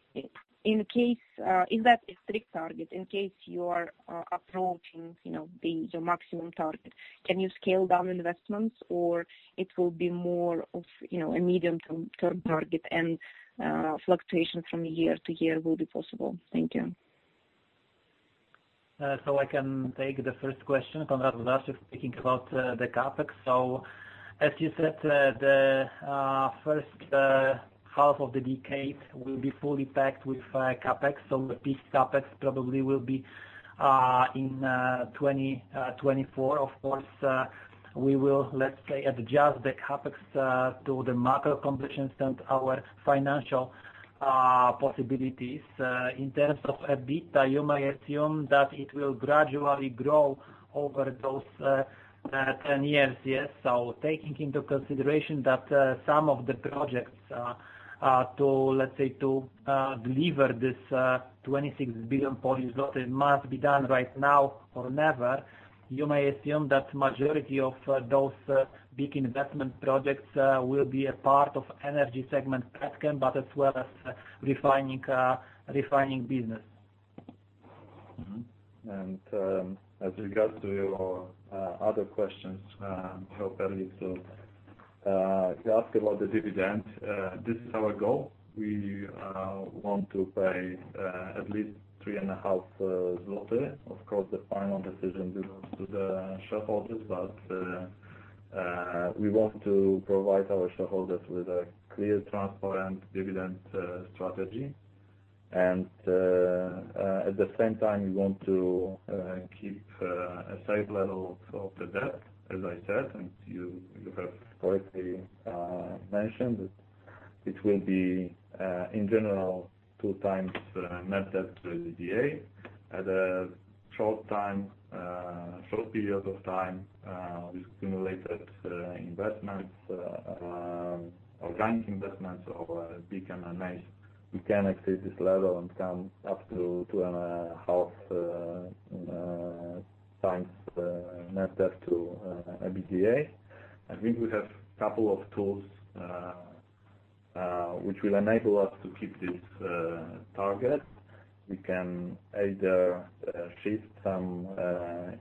Is that a strict target, in case you are approaching your maximum target? Can you scale down investments or it will be more of a medium-term target and fluctuation from year to year will be possible? Thank you.
I can take the first question. Konrad Włodarczyk, speaking about the CapEx. As you said, the first half of the decade will be fully packed with CapEx. The peak CapEx probably will be in 2024. Of course, we will, let's say, adjust the CapEx to the macro conditions and our financial possibilities. In terms of EBITDA, you may assume that it will gradually grow over those 10 years. Yes. Taking into consideration that some of the projects are to, let's say, to deliver this 26 billion must be done right now or never. You may assume that majority of those big investment projects will be a part of energy segment petchem, but as well as refining business.
As regards to your other questions, Ekaterina, you asked about the dividend. This is our goal. We want to pay at least 3.5 zloty. Of course, the final decision belongs to the shareholders, but we want to provide our shareholders with a clear, transparent dividend strategy. At the same time, we want to keep a safe level of the debt, as I said, and you have correctly mentioned that it will be, in general, 2x net debt to EBITDA. At a short periods of time with accumulated investments or banking investments of a big M&A, we can exceed this level and come up to 2.5x net debt to EBITDA. I think we have couple of tools which will enable us to keep this target. We can either shift some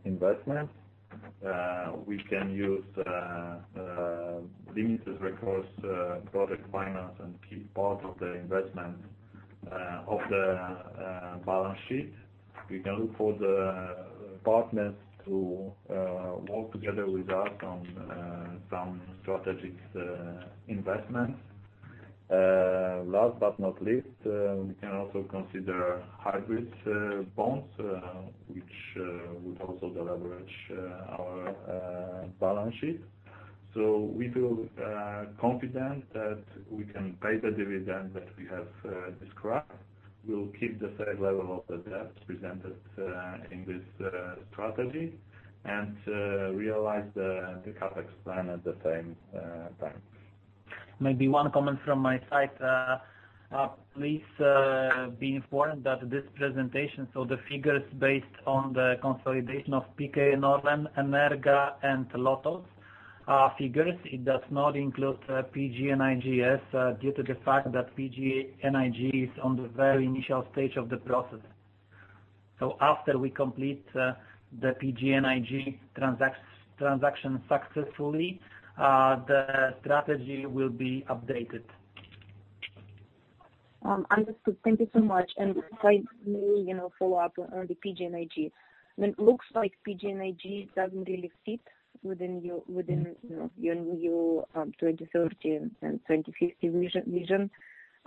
investments. We can use limited recourse project finance and keep part of the investment off the balance sheet. We can look for the partners to work together with us on some strategic investments. Last but not least, we can also consider hybrid bonds, which would also deleverage our balance sheet. We feel confident that we can pay the dividend that we have described. We'll keep the same level of the debt presented in this strategy, and realize the CapEx plan at the same time.
Maybe one comment from my side. Please be informed that this presentation, so the figures based on the consolidation of PKN ORLEN, Energa, and LOTOS figures, it does not include PGNiG's due to the fact that PGNiG is on the very initial stage of the process. After we complete the PGNiG transaction successfully, the strategy will be updated.
Understood. Thank you so much. If I may follow up on the PGNiG. It looks like PGNiG doesn't really fit within your 2030 and 2050 vision.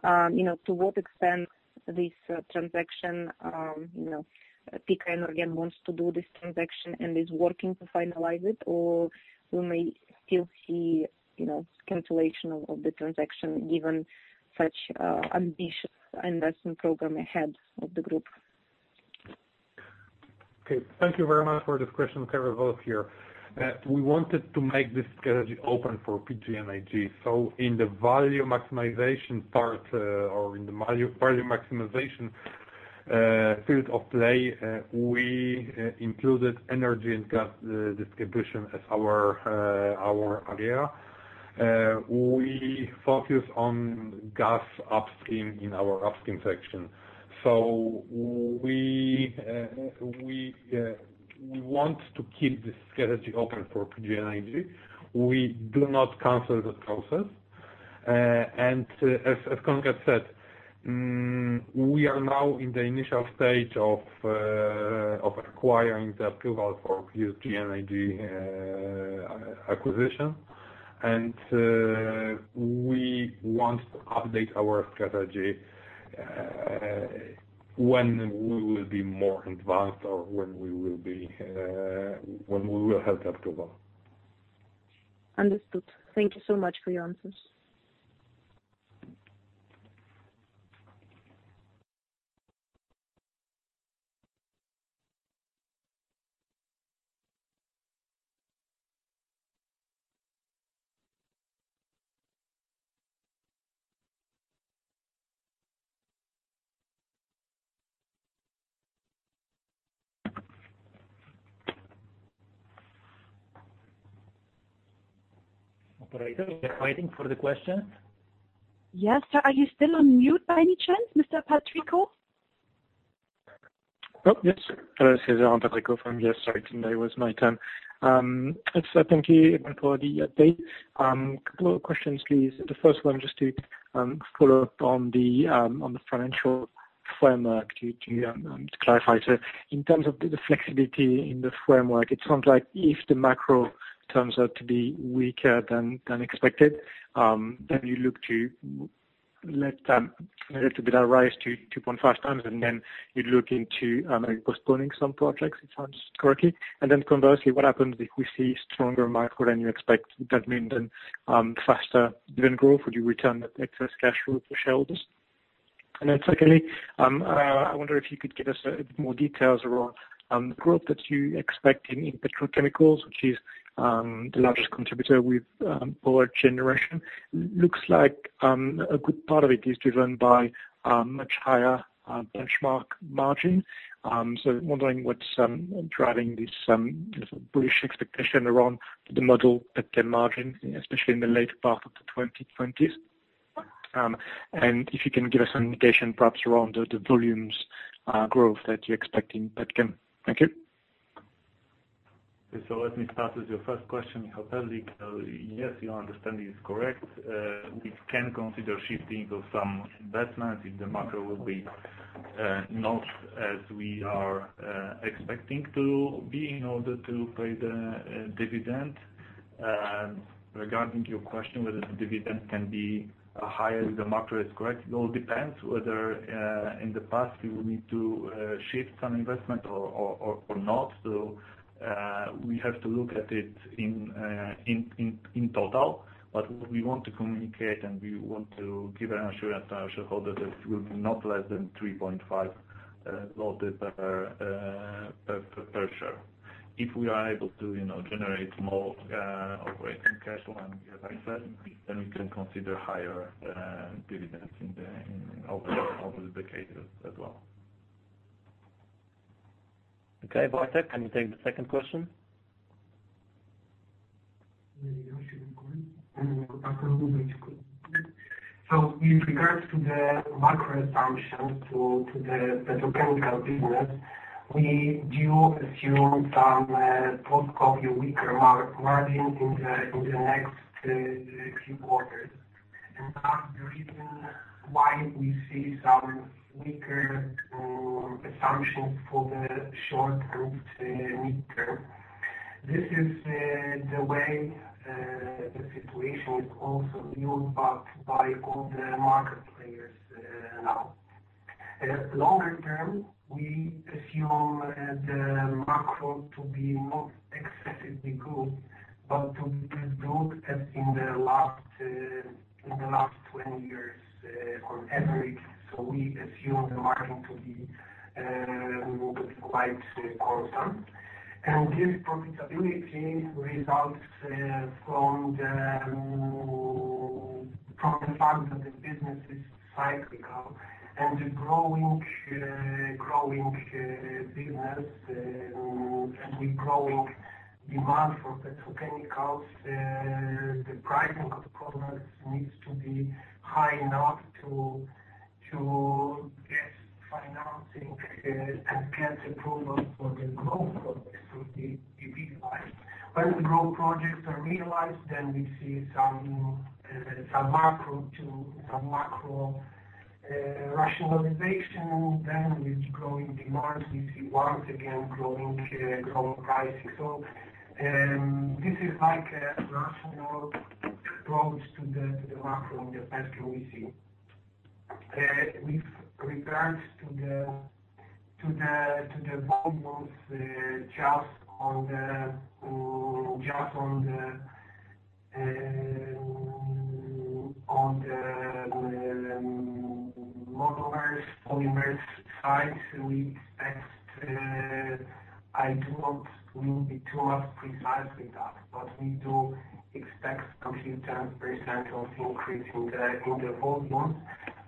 To what extent this transaction, PKN ORLEN wants to do this transaction and is working to finalize it? We may still see cancellation of the transaction, given such ambitious investment program ahead of the group?
Okay. Thank you very much for this question. Karol Wolff here. We wanted to make this strategy open for PGNiG. In the value maximization part or in the value maximization field of play, we included energy and gas distribution as our area. We focus on gas upstream in our upstream section. We want to keep the strategy open for PGNiG. We do not cancel the process. As Konrad said, we are now in the initial stage of acquiring the approval for PGNiG acquisition. We want to update our strategy when we will be more advanced or when we will have the approval.
Understood. Thank you so much for your answers.
Operator, we are waiting for the question.
Yes, sir. Are you still on mute by any chance, Mr. Patricot?
Oh, yes. Hello, this is Henri Patricot from UBS. Sorry, it was my turn. Thank you for the update. Couple of questions, please. The first one just to follow up on the financial framework to clarify, so in terms of the flexibility in the framework, it sounds like if the macro turns out to be weaker than expected, then you look to let a little bit of rise to 2.5x, and then you'd look into postponing some projects, it sounds correctly. Conversely, what happens if we see stronger macro than you expect? Does that mean then faster dividend growth? Would you return that excess cash flow to shareholders? Secondly, I wonder if you could give us a bit more details around the growth that you expect in petrochemicals, which is the largest contributor with power generation. Looks like a good part of it is driven by much higher benchmark margin. Wondering what's driving this sort of bullish expectation around the model EBITDA margin, especially in the later part of the 2020s. If you can give us an indication perhaps around the volumes growth that you expect in petchem. Thank you.
Let me start with your first question, Henri. Yes, your understanding is correct. We can consider shifting of some investments if the macro will be not as we are expecting to be in order to pay the dividend. Regarding your question, whether the dividend can be higher if the macro is correct, it all depends whether in the past we will need to shift some investment or not. We have to look at it in total, but we want to communicate, and we want to give an assurance to our shareholders that it will be not less than 3.5 per share. If we are able to generate more operating cash flow and EBITDA, we can consider higher dividends in the over the cases as well.
Okay. Bartek, can you take the second question?
With regards to the macro assumptions to the petrochemical business, we do assume some post-COVID weaker margin in the next few quarters. That's the reason why we see some weaker assumptions for the short and mid-term. This is the way the situation is also viewed by all the market players now. Longer term, we assume the macro to be not excessively good, but to be as good as in the last 20 years on average. We assume the margin to be quite constant. This profitability results from the fact that the business is cyclical and the growing business and the growing demand for petrochemicals, the pricing of the products needs to be high enough to get financing and get approval for the growth projects to be realized. When the growth projects are realized, then we see some macro rationalization. With growing demand, we see once again growing prices. This is like a rational approach to the macro in the petrol we see. With regards to the volumes, just on the monomers, polymers side, we will be too precise with that, but we do expect complete 10% of increase in the volumes.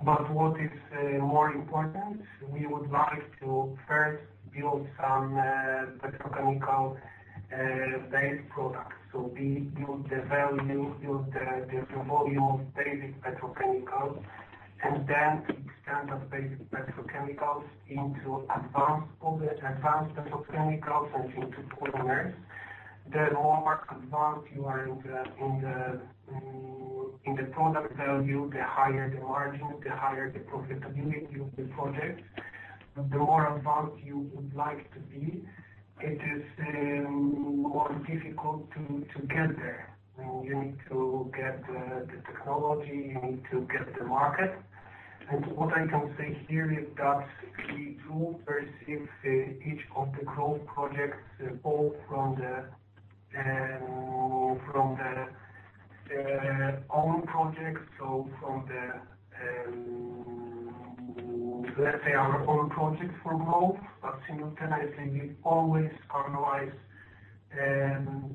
What is more important, we would like to first build some petrochemical-based products. We build the value, build the volume of basic petrochemicals, and then extend that basic petrochemicals into advanced petrochemicals and into polymers. The more advanced you are in the product value, the higher the margin, the higher the profitability of the project. The more advanced you would like to be, it is more difficult to get there. You need to get the technology, you need to get the market. What I can say here is that we do perceive each of the growth projects, both from their own projects. Let's say our own projects for growth. Simultaneously, we always analyze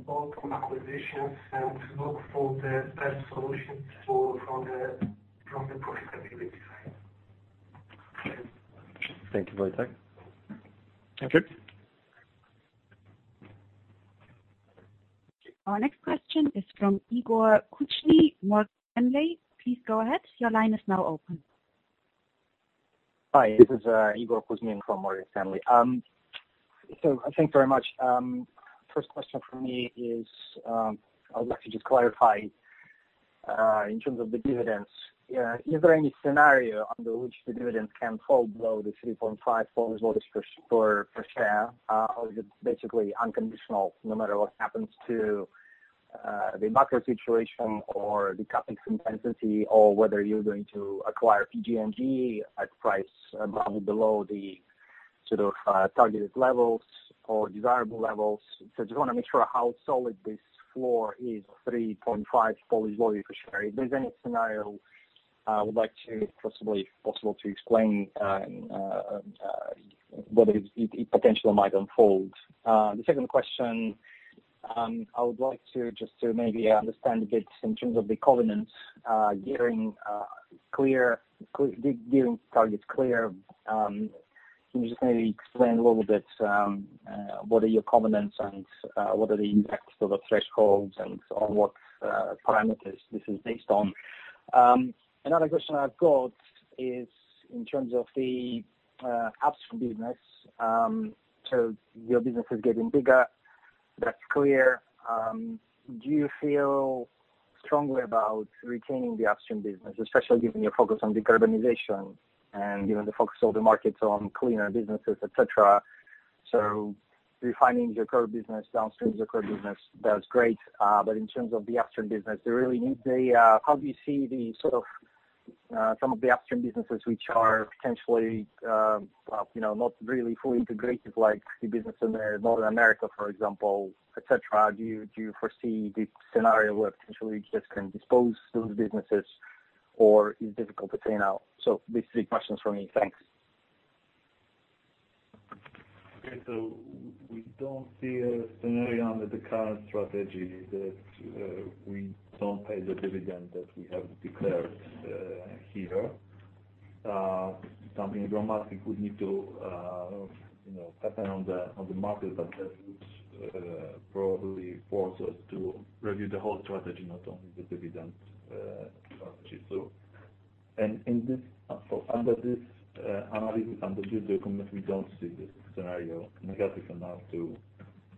both acquisitions and look for the best solutions from the profitability side.
Thank you, Wojtek.
Thank you.
Our next question is from Igor Kuzmin, Morgan Stanley. Please go ahead. Your line is now open.
Hi, this is Igor Kuzmin from Morgan Stanley. Thanks very much. First question from me is, I would like to just clarify, in terms of the dividends, is there any scenario under which the dividend can fall below the 3.5 per share? Is it basically unconditional, no matter what happens to the macro situation or the CapEx intensity, or whether you're going to acquire PGNiG at price below the targeted levels or desirable levels? I just want to make sure how solid this floor is, 3.5 per share. If there's any scenario, I would like to possibly, if possible, to explain, whether it potentially might unfold. The second question, I would like just to maybe understand a bit in terms of the covenants, gearing target clear. Can you just maybe explain a little bit, what are your covenants and what are the impacts of the thresholds and on what parameters this is based on? Another question I've got is in terms of the upstream business. Your business is getting bigger. That's clear. Do you feel strongly about retaining the upstream business, especially given your focus on decarbonization and given the focus of the markets on cleaner businesses, et cetera? Refining your core business downstream, your core business, that's great. In terms of the upstream business, how do you see some of the upstream businesses which are potentially not really fully integrated, like the business in North America, for example, et cetera? Do you foresee the scenario where potentially you just can dispose those businesses or is it difficult to say now? These are three questions for me. Thanks.
Okay. We don't see a scenario under the current strategy that we don't pay the dividend that we have declared here. Something dramatic would need to happen on the market that would probably force us to review the whole strategy, not only the dividend strategy. Under this document, we don't see this scenario negative enough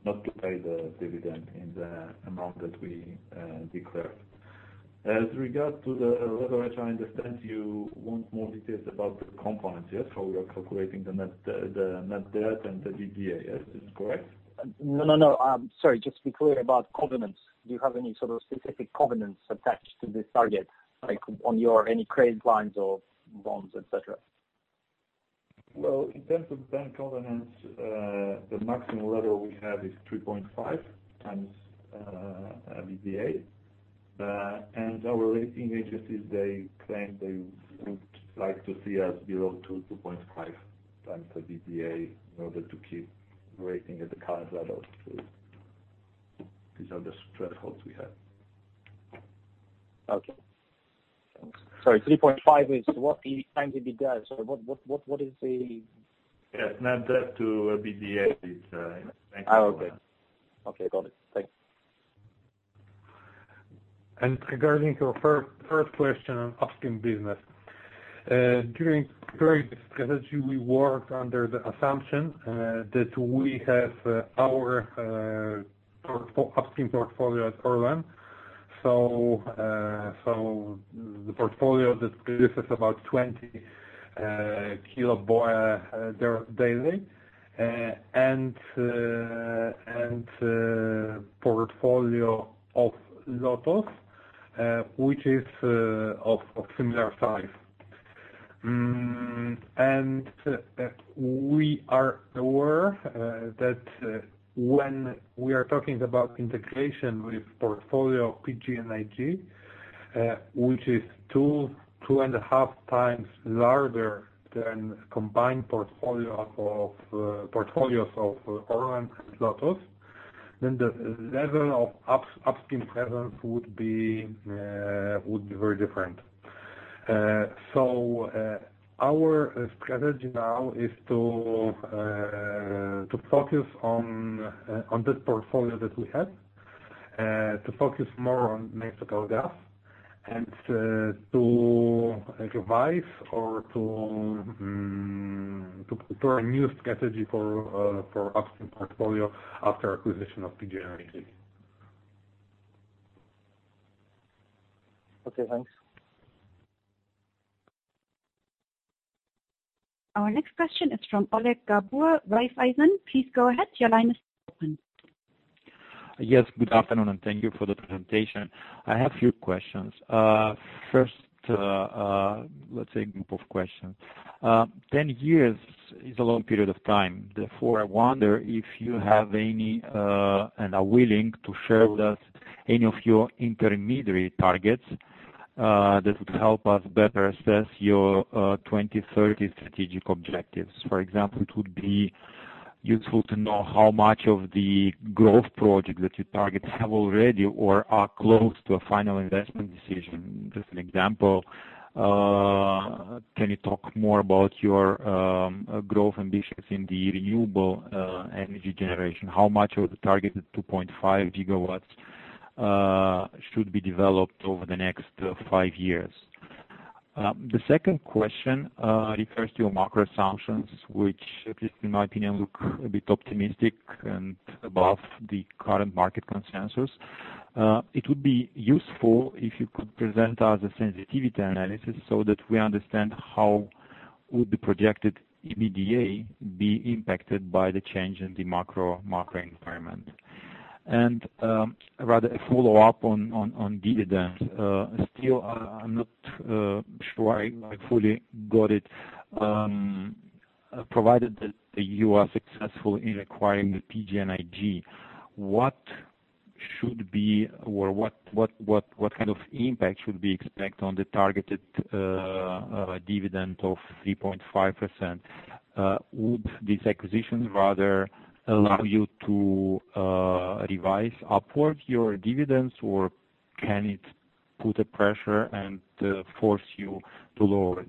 not to pay the dividend in the amount that we declared. As regard to the leverage, I understand you want more details about the components, yes? How we are calculating the net debt and the EBITDA, yes, is this correct?
No. Sorry, just to be clear about covenants. Do you have any sort of specific covenants attached to this target, like on your any credit lines or bonds, et cetera?
Well, in terms of bank covenants, the maximum level we have is 3.5x EBITDA. Our rating agencies, they claim they would like to see us below to 2.5x the EBITDA in order to keep rating at the current level. These are the thresholds we have.
Okay. Sorry, 3.5 is what times EBITDA? Sorry, what is the?
Yes, net debt to EBITDA is.
Oh, okay. Okay, got it. Thanks.
Regarding your third question on upstream business. During strategy, we work under the assumption that we have our upstream portfolio at Orlen. The portfolio that produces about 20 kboe daily, and portfolio of Lotos, which is of similar size. We are aware that when we are talking about integration with portfolio PGNiG, which is 2.5x larger than combined portfolios of Orlen and LOTOS, then the level of upstream presence would be very different. Our strategy now is to focus on this portfolio that we have, to focus more on natural gas and to revise or to put a new strategy for upstream portfolio after acquisition of PGNiG.
Okay, thanks.
Our next question is from Oleg Galbur, Raiffeisen. Please go ahead. Your line is open.
Yes, good afternoon, and thank you for the presentation. I have few questions. First, let's say group of questions. 10 years is a long period of time. Therefore, I wonder if you have any, and are willing to share with us any of your intermediary targets that would help us better assess your 2030 strategic objectives. For example, it would be useful to know how much of the growth projects that you target have already or are close to a final investment decision. Just an example, can you talk more about your growth ambitions in the renewable energy generation? How much of the targeted 2.5 GW should be developed over the next five years? The second question refers to your macro assumptions, which at least in my opinion, look a bit optimistic and above the current market consensus. It would be useful if you could present us a sensitivity analysis so that we understand how would the projected EBITDA be impacted by the change in the macro environment. Rather a follow-up on dividends. Still, I'm not sure I fully got it. Provided that you are successful in acquiring the PGNiG, what should be or what kind of impact should we expect on the targeted dividend of 3.5%? Would this acquisition rather allow you to revise upward your dividends, or can it put a pressure and force you to lower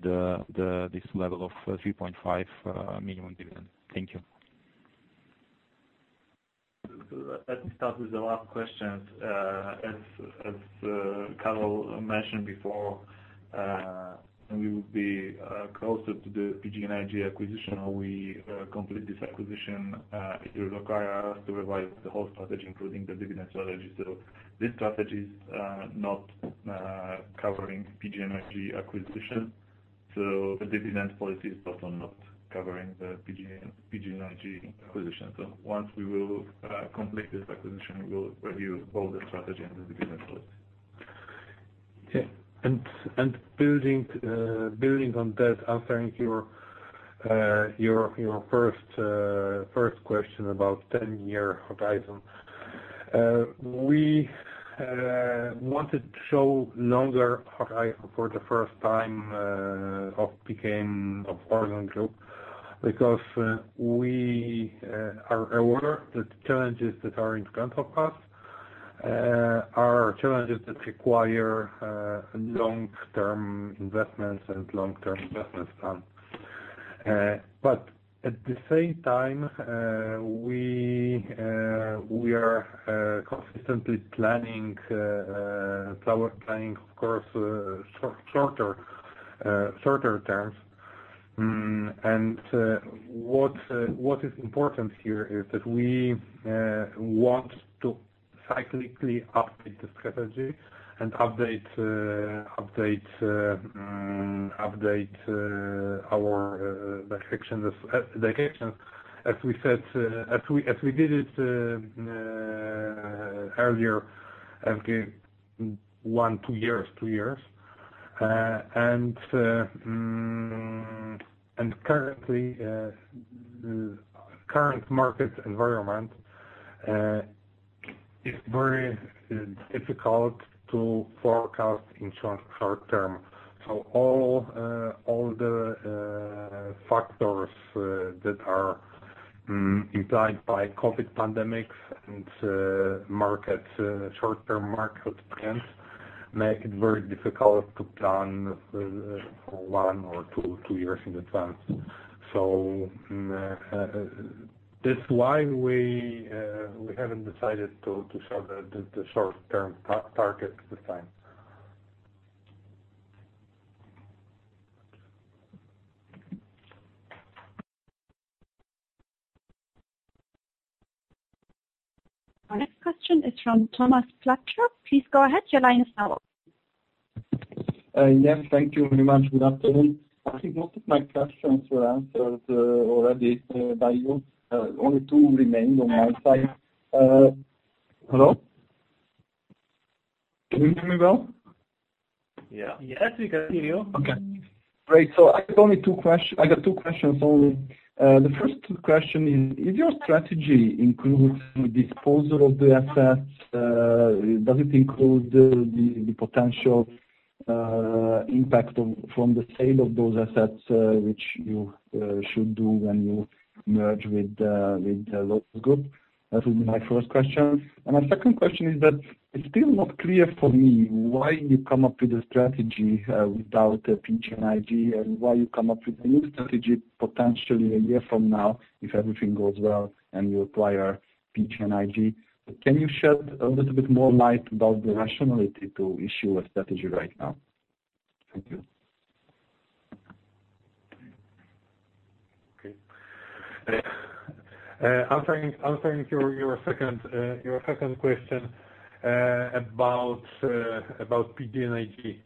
this level of 3.5 minimum dividend? Thank you.
Let me start with the last question. As Karol mentioned before, when we will be closer to the PGNiG acquisition, or we complete this acquisition, it will require us to revise the whole strategy, including the dividend strategy. This strategy is not covering PGNiG acquisition, so the dividend policy is also not covering the PGNiG acquisition. Once we will complete this acquisition, we'll review both the strategy and the dividend policy.
Building on that, answering your first question about 10-year horizon. We wanted to show longer horizon for the first time, of ORLEN Group, because we are aware that challenges that are in front of us are challenges that require long-term investments and long-term investment plan. At the same time, we are consistently planning, power planning, of course, shorter terms. What is important here is that we want to cyclically update the strategy and update our directions. As we did it earlier, one, two years. Currently, the current market environment is very difficult to forecast in short term. All the factors that are implied by COVID pandemics and short-term market trends make it very difficult to plan one or two years in advance. That's why we haven't decided to show the short-term target at this time.
Our next question is from Tamás Pletser. Please go ahead. Your line is now open.
Yes, thank you very much. Good afternoon. I think most of my questions were answered already by you. Only two remain on my side. Hello? Can you hear me well?
Yeah.
Yes, we can hear you.
Okay, great. I got two questions only. The first question is, if your strategy includes disposal of the assets, does it include the potential impact from the sale of those assets, which you should do when you merge with the LOTOS Group? That will be my first question. My second question is that it's still not clear for me why you come up with a strategy without PGNiG and why you come up with a new strategy potentially a year from now if everything goes well and you acquire PGNiG. Can you shed a little bit more light about the rationality to issue a strategy right now? Thank you.
Okay. Answering your second question about PGNiG.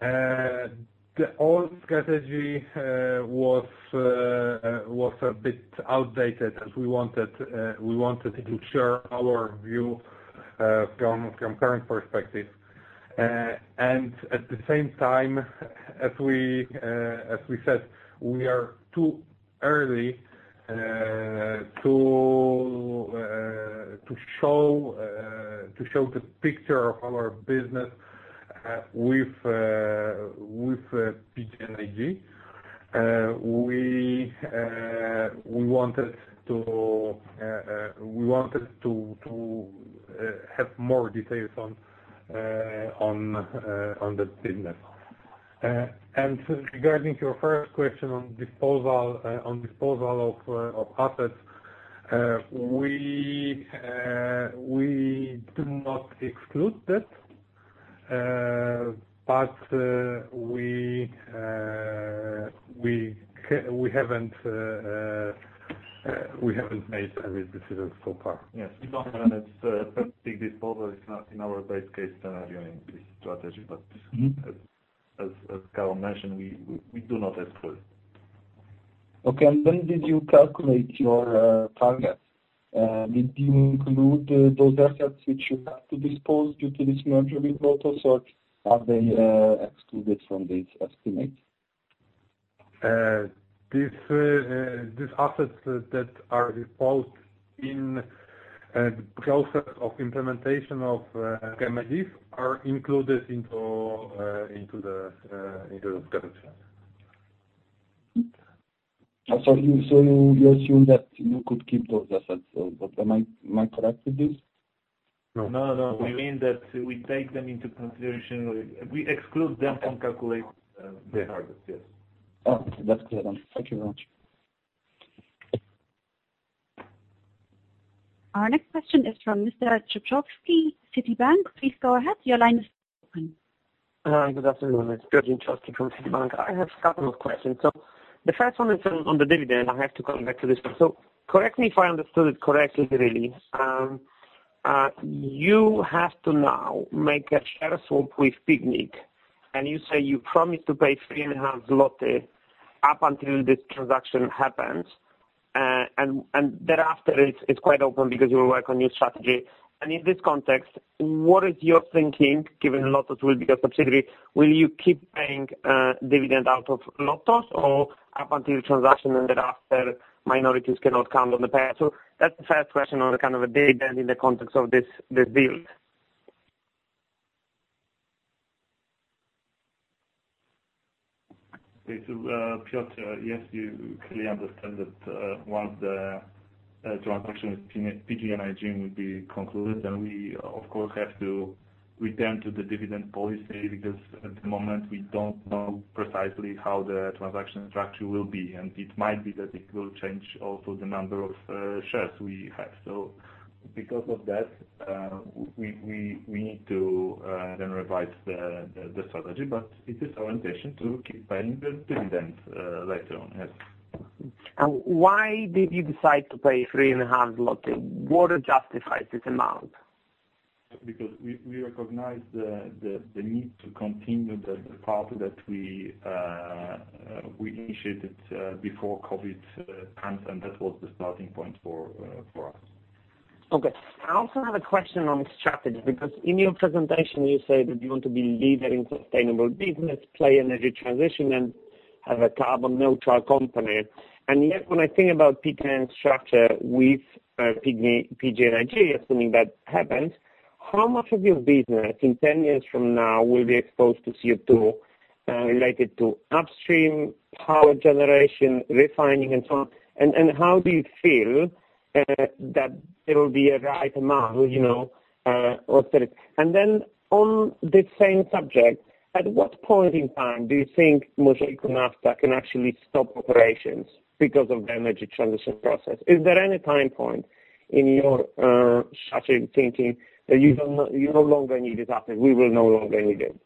The old strategy was a bit outdated as we wanted to ensure our view from current perspective. At the same time, as we said, we are too early to show the picture of our business with PGNiG. We wanted to have more details on the business. Regarding your first question on disposal of assets. We do not exclude it, but we haven't made a real decision so far.
Yes. We don't have asset disposal. It's not in our best-case scenario in this strategy. As Karol mentioned, we do not exclude.
Okay. When did you calculate your target? Did you include those assets which you have to dispose due to this merger with LOTOS, or are they excluded from these estimates?
These assets that are disposed in the process of implementation of remedies are included into the strategy.
You assume that you could keep those assets. Am I correct with this?
No.
No, we mean that we take them into consideration. We exclude them from calculating the targets. Yes.
Oh, that's clear then. Thank you very much.
Our next question is from Mr. Dzieciolowski, Citibank.
Good afternoon. It's Dzieciolowski from Citibank. I have a couple of questions. The first one is on the dividend. I have to come back to this one. Correct me if I understood it correctly, really. You have to now make a share swap with PGNiG, and you say you promise to pay 3.5 zloty up until this transaction happens. Thereafter, it's quite open because you will work on your strategy. In this context, what is your thinking, given LOTOS will be a subsidiary, will you keep paying dividend out of LOTOS or up until transaction and thereafter, minorities cannot count on the pay? That's the first question on kind of a dividend in the context of this deal.
Piotr, yes, you clearly understand that once the transaction with PGNiG will be concluded, then we of course have to return to the dividend policy because at the moment, we don't know precisely how the transaction structure will be. It might be that it will change also the number of shares we have. Because of that, we need to then revise the strategy, but it is our intention to keep paying the dividends later on, yes.
Why did you decide to pay 3.5? What justifies this amount?
We recognize the need to continue the path that we initiated before COVID comes, and that was the starting point for us.
Okay. I also have a question on strategy, because in your presentation you say that you want to be a leader in sustainable business, play energy transition, and have a carbon neutral company. Yet, when I think about PKN structure with PGNiG, assuming that happens, how much of your business in 10 years from now will be exposed to CO2, related to upstream power generation, refining, and so on? How do you feel that there will be a right amount? On the same subject, at what point in time do you think Mazeikiu Nafta can actually stop operations because of the energy transition process? Is there any time point in your strategy thinking that you no longer need it, that we will no longer need it?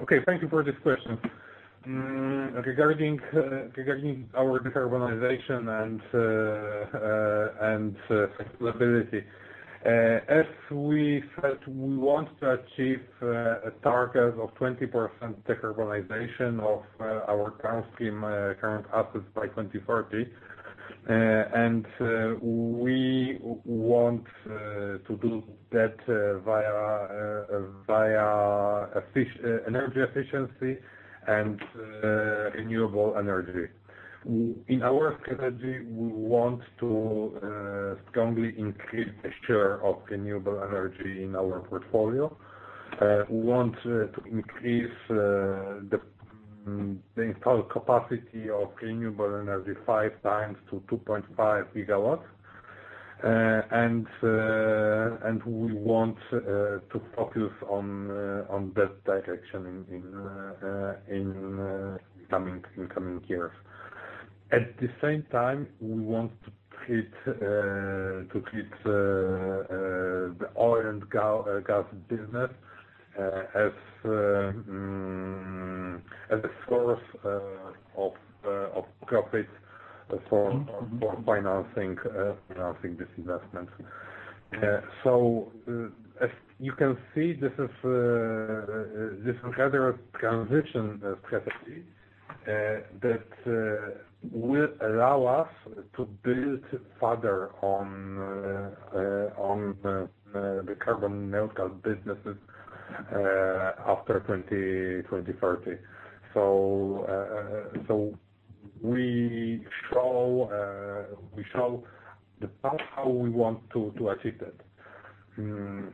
Okay. Thank you for this question. Regarding our decarbonization and sustainability, as we said, we want to achieve a target of 20% decarbonization of our current stream, current assets by 2030. We want to do that via energy efficiency and renewable energy. In our strategy, we want to strongly increase the share of renewable energy in our portfolio. We want to increase the install capacity of renewable energy five times to 2.5 GW. We want to focus on that direction in coming years. At the same time, we want to treat the oil and gas business as a source of profit for financing this investment. As you can see, this is rather a transition strategy that will allow us to build further on the carbon neutral businesses after 2030. We show the path how we want to achieve that.
In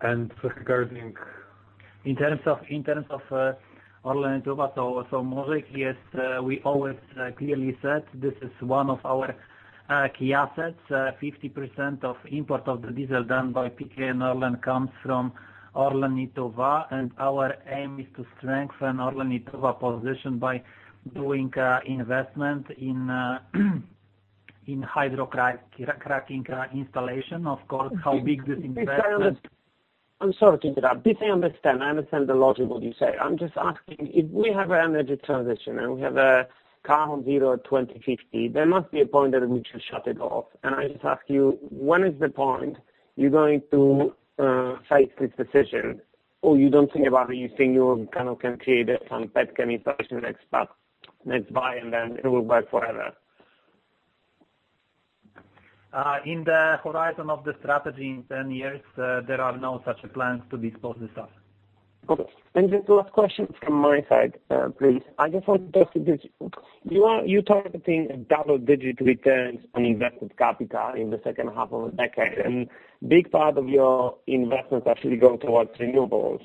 terms of ORLEN Lietuva, so Mazeikiu, yes, we always clearly said this is one of our key assets. 50% of import of the diesel done by PKN ORLEN comes from ORLEN Lietuva, and our aim is to strengthen ORLEN Lietuva position by doing investment in hydrocracking installation. Of course, how big this investment
I'm sorry to interrupt. Please, I understand. I understand the logic of what you say. I'm just asking, if we have an energy transition and we have a carbon zero 2050, there must be a point at which you shut it off. I just ask you, when is the point you're going to face this decision? You don't think about it, you think you kind of can create some petchem installation next buy, and then it will work forever?
In the horizon of the strategy in 10 years, there are no such plans to dispose this off.
Okay. The two last questions from my side, please. I just want to ask you this. You're targeting a double-digit returns on invested capital in the second half of the decade, and big part of your investments actually go towards renewables.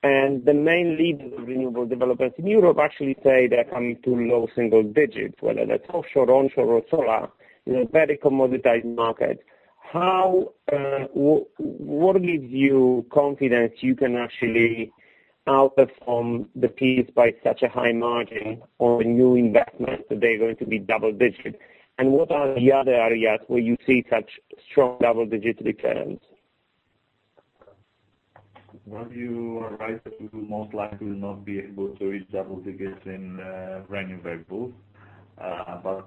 The main leaders of renewable developments in Europe actually say they're coming to low single digits, whether that's offshore, onshore or solar in a very commoditized market. What gives you confidence you can actually outperform the peers by such a high margin on new investments that they're going to be double-digit? What are the other areas where you see such strong double-digit returns?
Well, you are right that we will most likely not be able to reach double digits in renewables.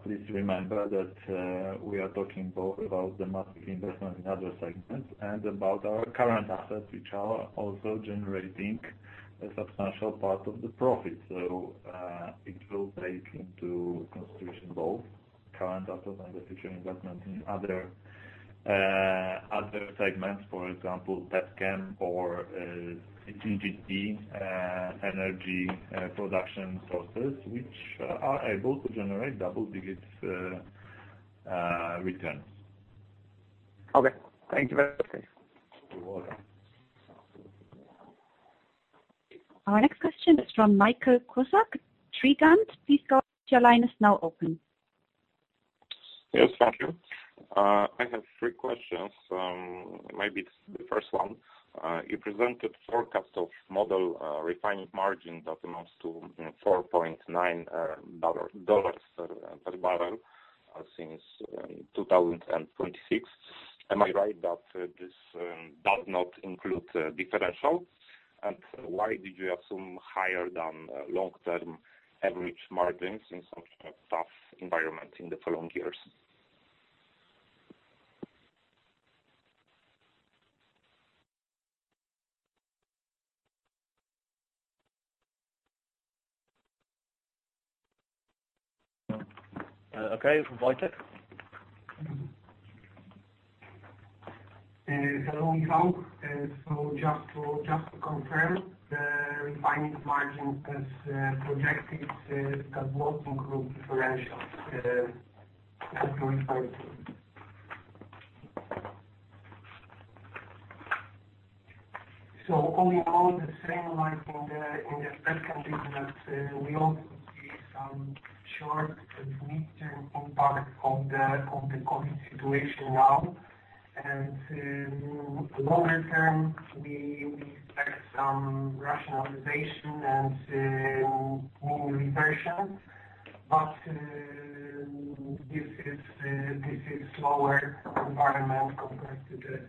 Please remember that we are talking both about the massive investment in other segments and about our current assets, which are also generating a substantial part of the profit. It will take into consideration both current assets and the future investment in other segments, for example, petchem or gas-fired energy production sources, which are able to generate double-digit returns.
Okay. Thank you very much.
You are welcome.
Our next question is from Michał Kozak, Trigon. Please go ahead, your line is now open.
Yes, thank you. I have three questions. Maybe the first one. You presented forecast of model refining margin that amounts to $4.9 per barrel since 2026. Am I right that this does not include differential? Why did you assume higher than long-term average margins in such a tough environment in the following years?
Okay. Wojciech?
Hello, everyone. Just to confirm, the refining margin as projected does not include differentials as you referred to. All in all, the same like in the second business, we also see some short- and midterm impact of the COVID situation now. Longer term, we expect some rationalization and more reversion. This is slower environment compared to the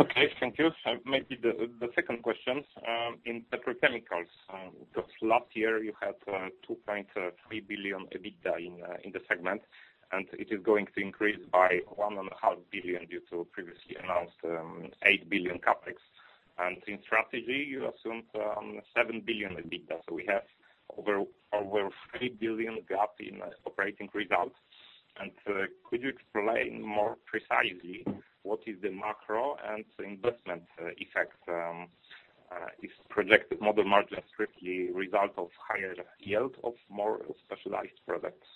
Okay. Thank you. Maybe the second question. In petrochemicals, because last year you had 2.3 billion EBITDA in the segment, and it is going to increase by 1.5 billion due to previously announced 8 billion CapEx. In strategy, you assumed 7 billion EBITDA. We have over 3 billion gap in operating results. Could you explain more precisely what is the macro and investment effect? Is projected model margin strictly result of higher yield of more specialized products?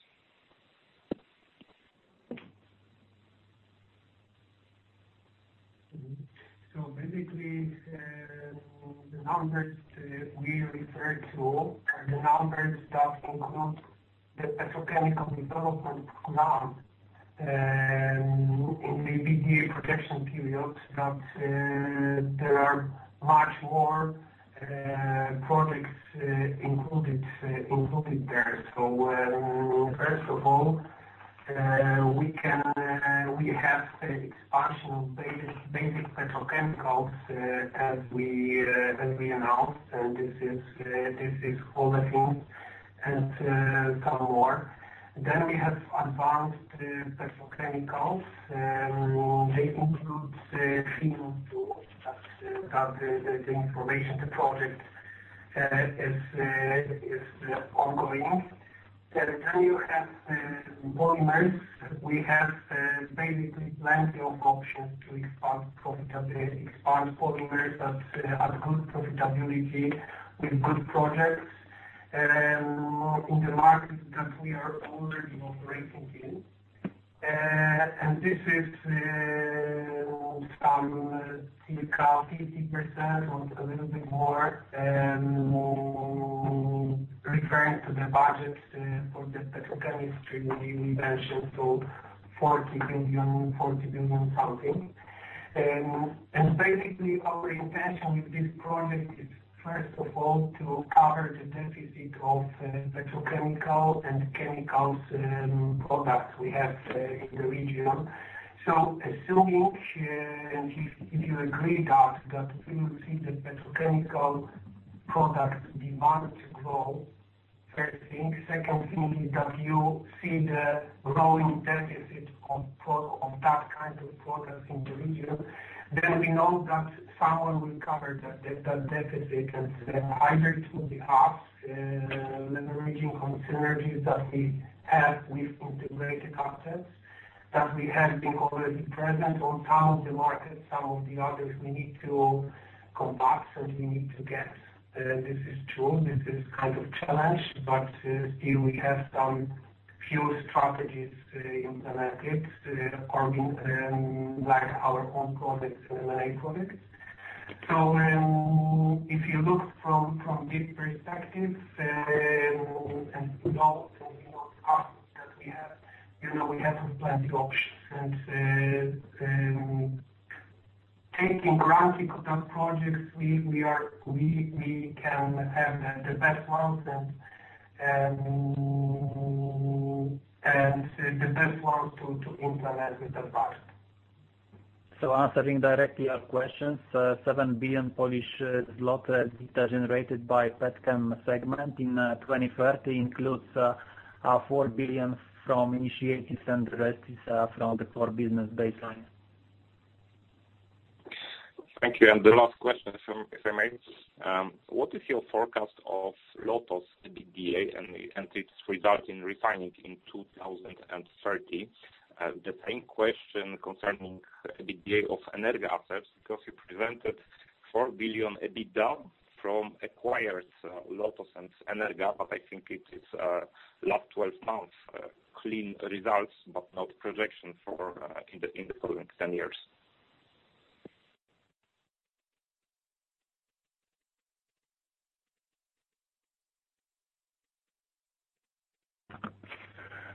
Basically, the numbers we referred to are the numbers that include the petrochemical development now in the EBITDA projection period, but there are much more projects included there. First of all, we have expansion of basic petrochemicals as we announced, and this is olefin and some more. We have advanced petrochemicals. They include steam, that the information, the project is ongoing. You have polymers. We have basically plenty of options to expand polymers at good profitability with good projects in the markets that we are already operating in. This is some silica, 50% or a little bit more, referring to the budget for the petrochemistry that we mentioned, 40 billion something. Basically, our intention with this project is first of all to cover the deficit of petrochemical and chemicals products we have in the region. Assuming, and if you agree, that you see the petrochemical product demand to grow, first thing. Second thing is that you see the growing deficit of that kind of products in the region. We know that someone will cover that deficit, and either it will be us leveraging on synergies that we have with integrated assets, that we have been already present on some of the markets. Some of the others, we need to come back, and we need to get. This is true. This is kind of challenge, but here we have some few strategies implemented, like our own projects and M&A projects. If you look from this perspective and note all the assets that we have, you know, we have plenty options. Taking granting of that projects, we can have the best ones and the best ones to implement with the partners.
Answering directly your questions, 7 billion Polish zloty EBITDA generated by petchem segment in 2030 includes 4 billion from initiatives and the rest is from the core business baseline.
Thank you. The last question, if I may. What is your forecast of LOTOS EBITDA and its result in refining in 2030? The same question concerning EBITDA of Energa assets, because you presented 4 billion EBITDA from acquired LOTOS and Energa, but I think it is last 12 months clean results, but not projection in the following 10 years.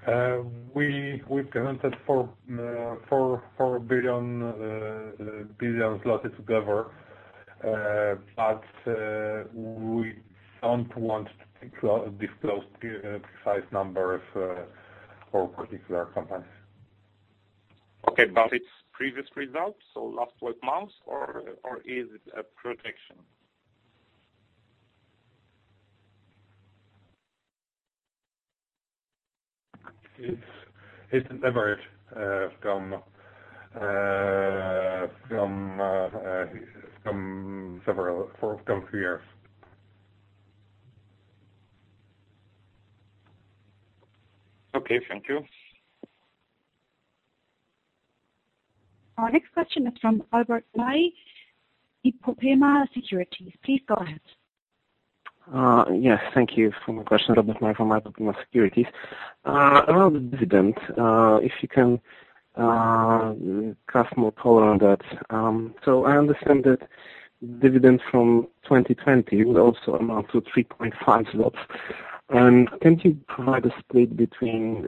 We've guaranteed 4 billion zlotys together. We don't want to disclose the precise numbers for particular companies.
Okay. It's previous results, so last 12 months, or is it a projection?
It's averaged from three years.
Okay, thank you.
Our next question is from Robert Maj, IPOPEMA Securities. Please go ahead.
Yes, thank you. For my question, Robert Maj from IPOPEMA Securities. Around the dividend, if you can cast more color on that. I understand that dividend from 2020 will also amount to 3.5 zlotys. Can you provide a split between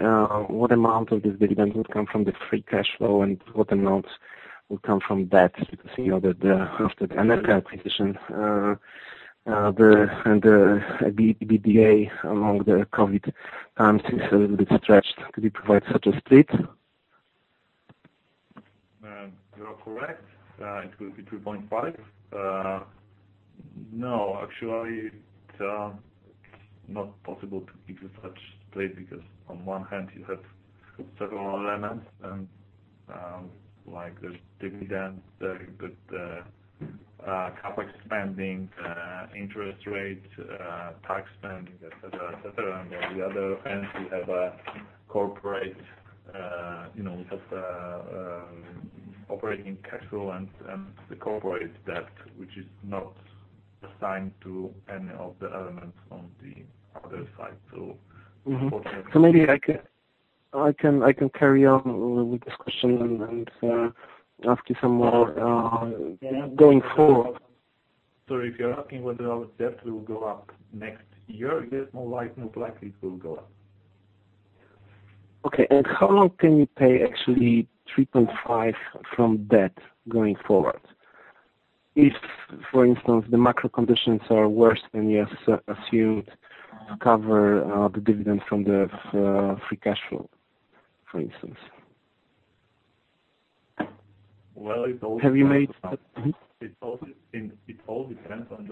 what amount of this dividend would come from the free cash flow and what amount will come from debt? You know that after the Energa acquisition and the EBITDA among the COVID times is a little bit stretched. Could you provide such a split?
You are correct. It will be 3.5. No, actually, it's not possible to give you such split because on one hand, you have several elements and there's dividend, but CapEx spending, interest rate, tax spending, et cetera. On the other hand, we have operating cash flow and the corporate debt, which is not assigned to any of the elements on the other side.
Maybe I can carry on with this question and ask you some more going forward.
Sorry, if you're asking whether our debt will go up next year, yes, most likely it will go up.
Okay. How long can you pay actually 3.5 from debt going forward? If, for instance, the macro conditions are worse than you assumed to cover the dividends from the free cash flow, for instance.
Well, it all-
Have you made-
It all depends on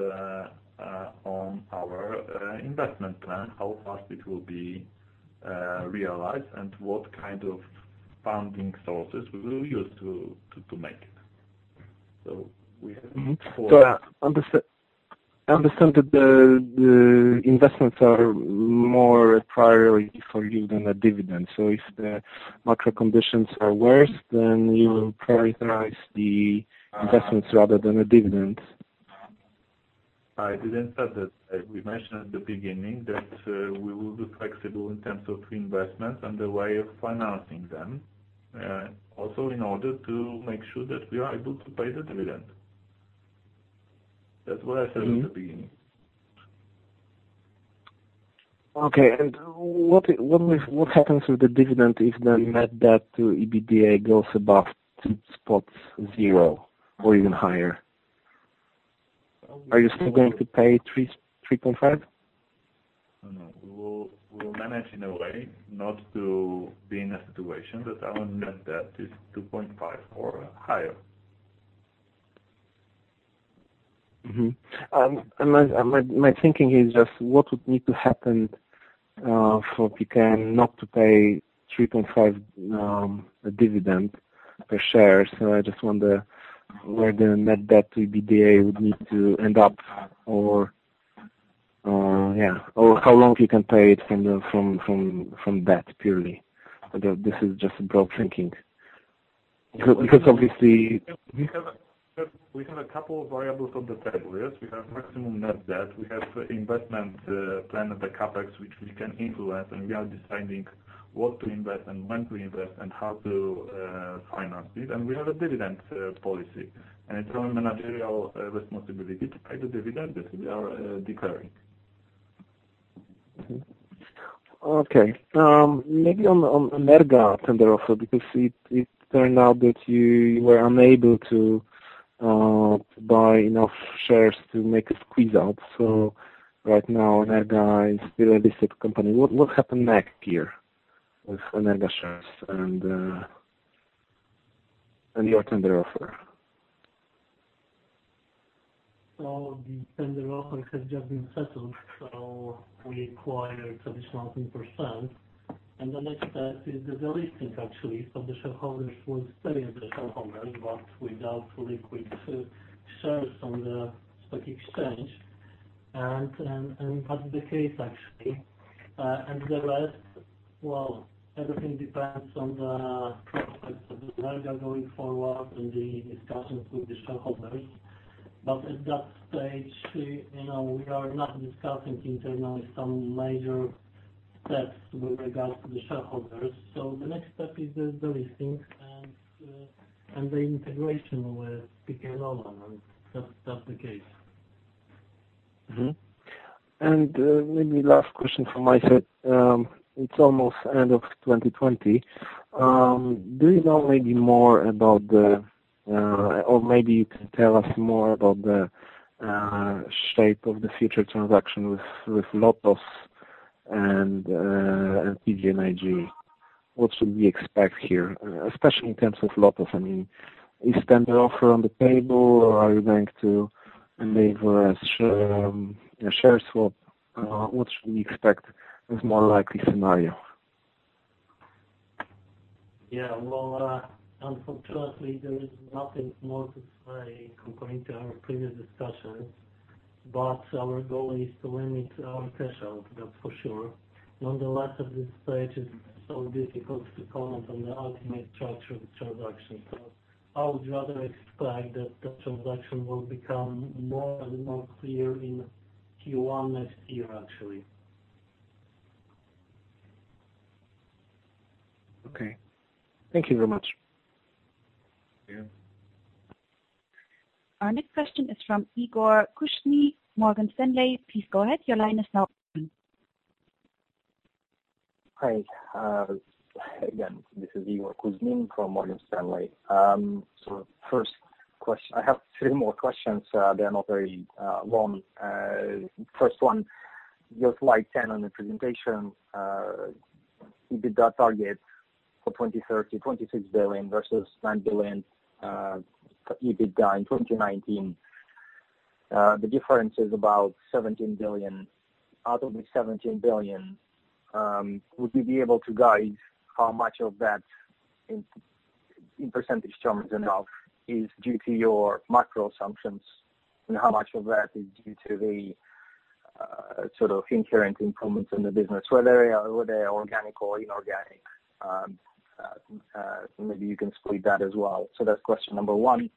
our investment plan, how fast it will be realized, and what kind of funding sources we will use to make it.
I understand that the investments are more priority for you than a dividend. If the macro conditions are worse, you will prioritize the investments rather than a dividend.
I didn't say that. We mentioned at the beginning that we will be flexible in terms of investments and the way of financing them, also in order to make sure that we are able to pay the dividend. That's what I said at the beginning.
Okay. What happens with the dividend if the net debt to EBITDA goes above 2.0 or even higher? Are you still going to pay 3.5?
No, we will manage in a way not to be in a situation that our net debt is 2.5 or higher.
My thinking is just what would need to happen for PKN not to pay 3.5 dividend per share. I just wonder where the net debt to EBITDA would need to end up or how long you can pay it from debt purely. This is just broad thinking.
We have a couple of variables on the table. Yes, we have maximum net debt. We have investment plan of the CapEx, which we can influence, and we are deciding what to invest and when to invest and how to finance it. We have a dividend policy, and it's our managerial responsibility to pay the dividend that we are declaring.
Maybe on Energa tender offer, because it turned out that you were unable to buy enough shares to make a squeeze out. Right now, Energa is still a listed company. What happened next year with Energa shares and your tender offer?
The tender offer has just been settled. We acquired additional 10%, and the next step is the delisting actually of the shareholders who would stay as the shareholder, but without liquid shares on the stock exchange. That's the case actually. The rest, well, everything depends on the prospects of Energa going forward and the discussions with the shareholders. At that stage, we are not discussing internally some major steps with regards to the shareholders. The next step is the delisting and the integration with PKN ORLEN, and that's the case.
Maybe last question from my side. It's almost end of 2020. Maybe you can tell us more about the shape of the future transaction with LOTOS and PGNiG? What should we expect here, especially in terms of LOTOS? Is tender offer on the table, or are you going to enable a share swap? What should we expect is more likely scenario?
Yeah. Well, unfortunately, there is nothing more to say comparing to our previous discussions. Our goal is to limit our cash out, that's for sure. Nonetheless, at this stage, it's so difficult to comment on the ultimate structure of the transaction. I would rather expect that the transaction will become more and more clear in Q1 next year, actually.
Okay. Thank you very much.
Yeah.
Our next question is from Igor Kuzmin, Morgan Stanley. Please go ahead. Your line is now open.
Hi. Again, this is Igor Kuzmin from Morgan Stanley. I have three more questions. They're not very long. First one, your slide 10 on the presentation, EBITDA target for 2030, 26 billion versus 9 billion EBITDA in 2019. The difference is about 17 billion. Out of the 17 billion, would we be able to guide how much of that, in percentage terms and all, is due to your macro assumptions, and how much of that is due to the inherent improvements in the business, whether they are organic or inorganic? Maybe you can split that as well. That's question number one.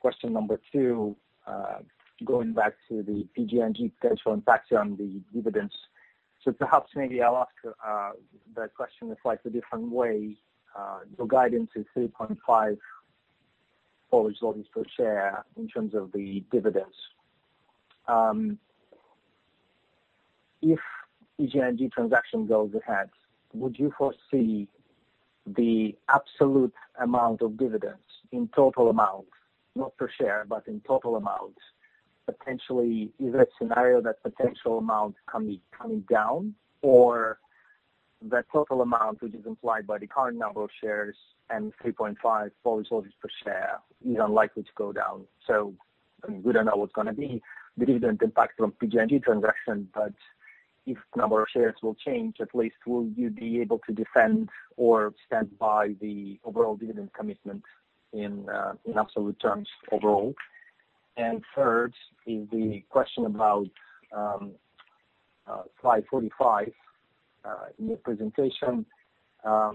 Question number two, going back to the PGNiG potential impact on the dividends. Perhaps maybe I'll ask that question a slightly different way. Your guidance is PLN 3.5 per share in terms of the dividends. If PGNiG transaction goes ahead, would you foresee the absolute amount of dividends in total amount, not per share, but in total amount, potentially, is there a scenario that potential amount coming down? The total amount, which is implied by the current number of shares and 3.5 forward earnings per share, is unlikely to go down. We don't know what's going to be dividend impact from PGNiG transaction, but if number of shares will change, at least will you be able to defend or stand by the overall dividend commitment in absolute terms overall? Third is the question about slide 45 in the presentation. I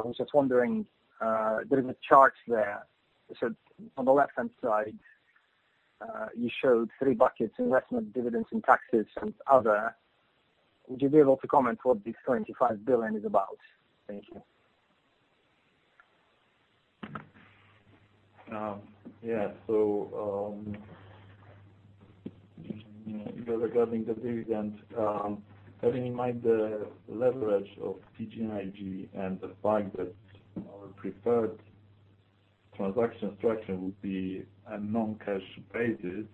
was just wondering, there is a chart there. On the left-hand side, you showed three buckets, investment, dividends and taxes, and other. Would you be able to comment what this 25 billion is about? Thank you.
Yeah. Regarding the dividend, having in mind the leverage of PGNiG and the fact that our preferred transaction structure would be a non-cash basis,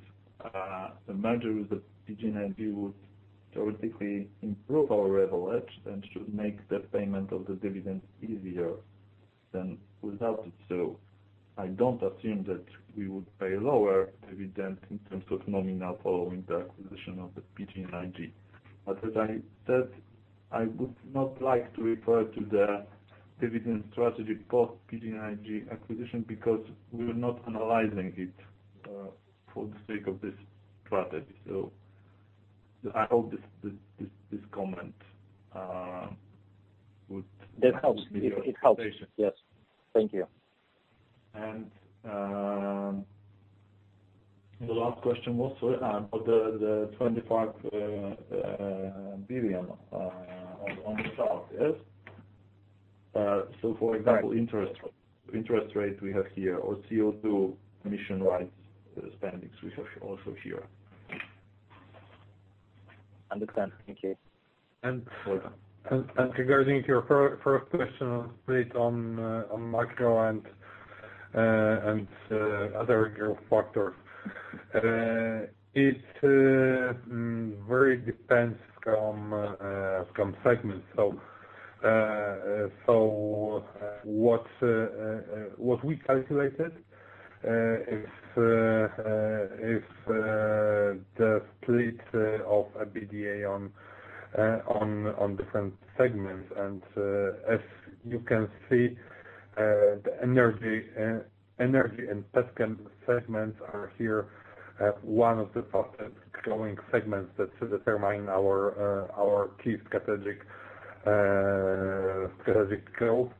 the merger with the PGNiG would theoretically improve our leverage and should make the payment of the dividend easier than without it. I don't assume that we would pay lower dividend in terms of nominal following the acquisition of the PGNiG. As I said, I would not like to refer to the dividend strategy post PGNiG acquisition because we're not analyzing it for the sake of this strategy.
That helps. It helps. Yes. Thank you.
The last question was about the 25 billion on the top. Yes? For example, interest rate we have here, or CO2 emission rights spendings we have also here.
Understand. Thank you.
And- You're welcome. Regarding your first question on split on macro and other growth factors. It very depends from segment. What we calculated is the split of EBITDA on different segments. As you can see, the energy and petchem segments are here, one of the fastest-growing segments that determine our key strategic growth.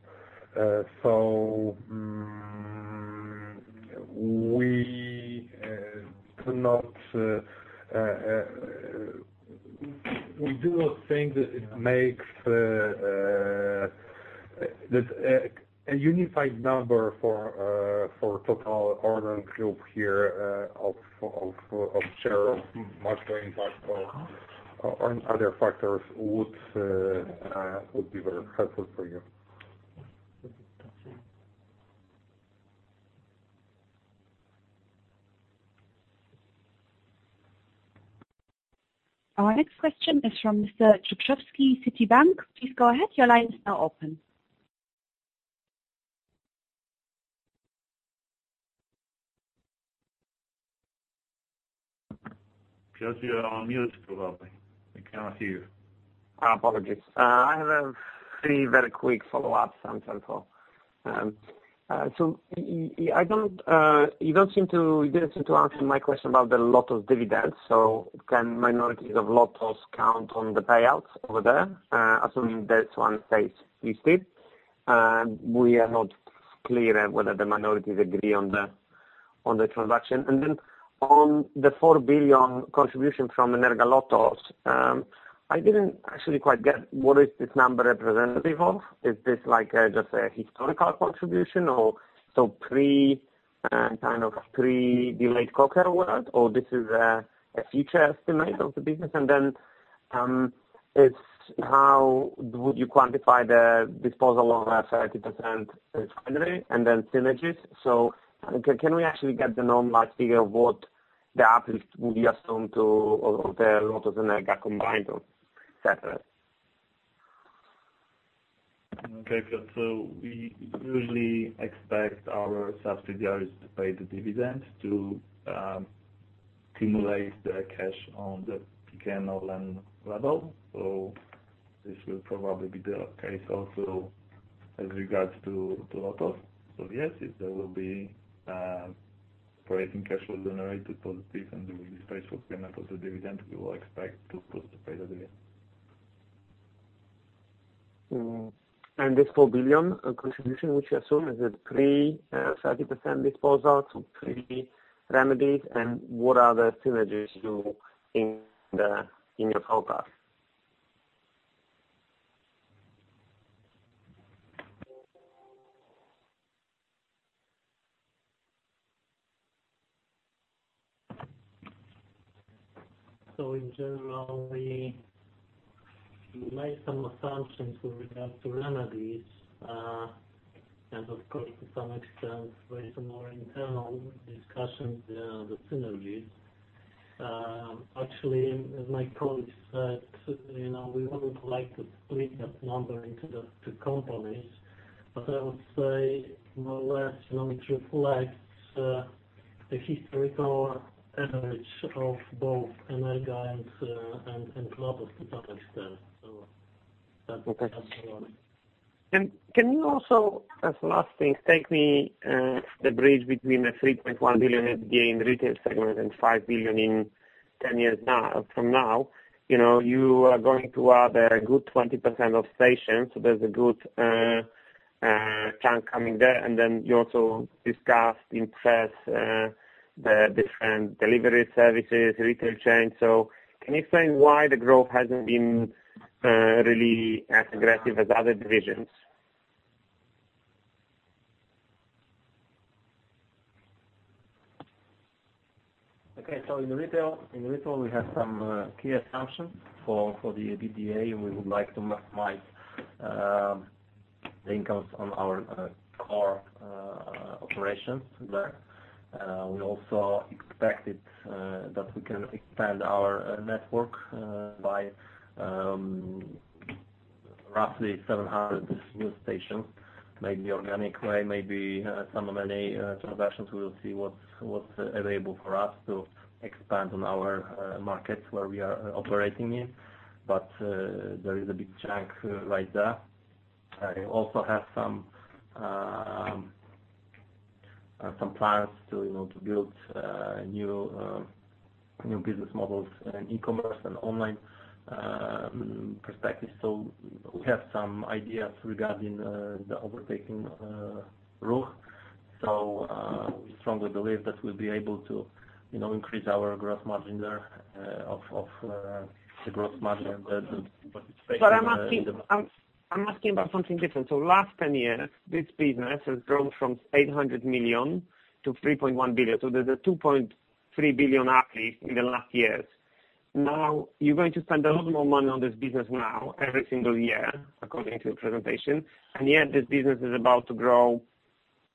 We do not think that a unified number for total ORLEN Group here of share of macro impact or other factors would be very helpful for you.
Okay. Our next question is from Mr. Dzieciolowski, Citibank. Please go ahead. Your line is now open.
Piotr, you are on mute probably. We cannot hear you.
Apologies. I have three very quick follow-ups on LOTOS. You didn't seem to answer my question about the LOTOS dividends. Can minorities of LOTOS count on the payouts over there? Assuming that one stays listed. We are not clear whether the minorities agree on the transaction. On the 4 billion contribution from Energa LOTOS, I didn't actually quite get what is this number representative of. Is this just a historical contribution or so pre-delayed COVID world, or this is a future estimate of the business? How would you quantify the disposal of 30% refinery and then synergies? Can we actually get the normal figure of what the uplift will be assumed to of the LOTOS and Energa combined or separate?
Okay. We usually expect our subsidiaries to pay the dividends to accumulate the cash on the PKN ORLEN level. This will probably be the case also with regards to LOTOS. Yes, if there will be operating cash flow generated positive and there will be space for payment of the dividend, we will expect to push to pay the dividend.
This 4 billion contribution, which you assume, is it pre-30% disposal, so pre-remedies, and what are the synergies you in your profile?
In general, we make some assumptions with regards to remedies. Of course, to some extent, raise more internal discussions around the synergies. Actually, as my colleague said, we wouldn't like to split that number into the two companies, but I would say more or less, it reflects the historical average of both Energa and LOTOS to some extent. That's the one.
Okay. Can you also, as the last thing, take me the bridge between the 3.1 billion EBITDA in retail segment and 5 billion from now. You are going to add a good 20% of stations, so there's a good chunk coming there. Then you also discussed in press, the different delivery services, retail chains. Can you explain why the growth hasn't been really as aggressive as other divisions?
In retail, we have some key assumptions for the EBITDA, and we would like to maximize the incomes on our core operations there. We also expected that we can expand our network by roughly 700 new stations, maybe organic way, maybe some M&A transactions. We'll see what's available for us to expand on our markets where we are operating in. There is a big chunk right there. I also have some plans to build new business models in e-commerce and online perspective. We have some ideas regarding the overtaking role. We strongly believe that we'll be able to increase our gross margin there.
I'm asking about something different. Last 10 years, this business has grown from 800 million to 3.1 billion. There's a 2.3 billion uplift in the last years. You're going to spend a lot more money on this business now every single year, according to your presentation. Yet this business is about to grow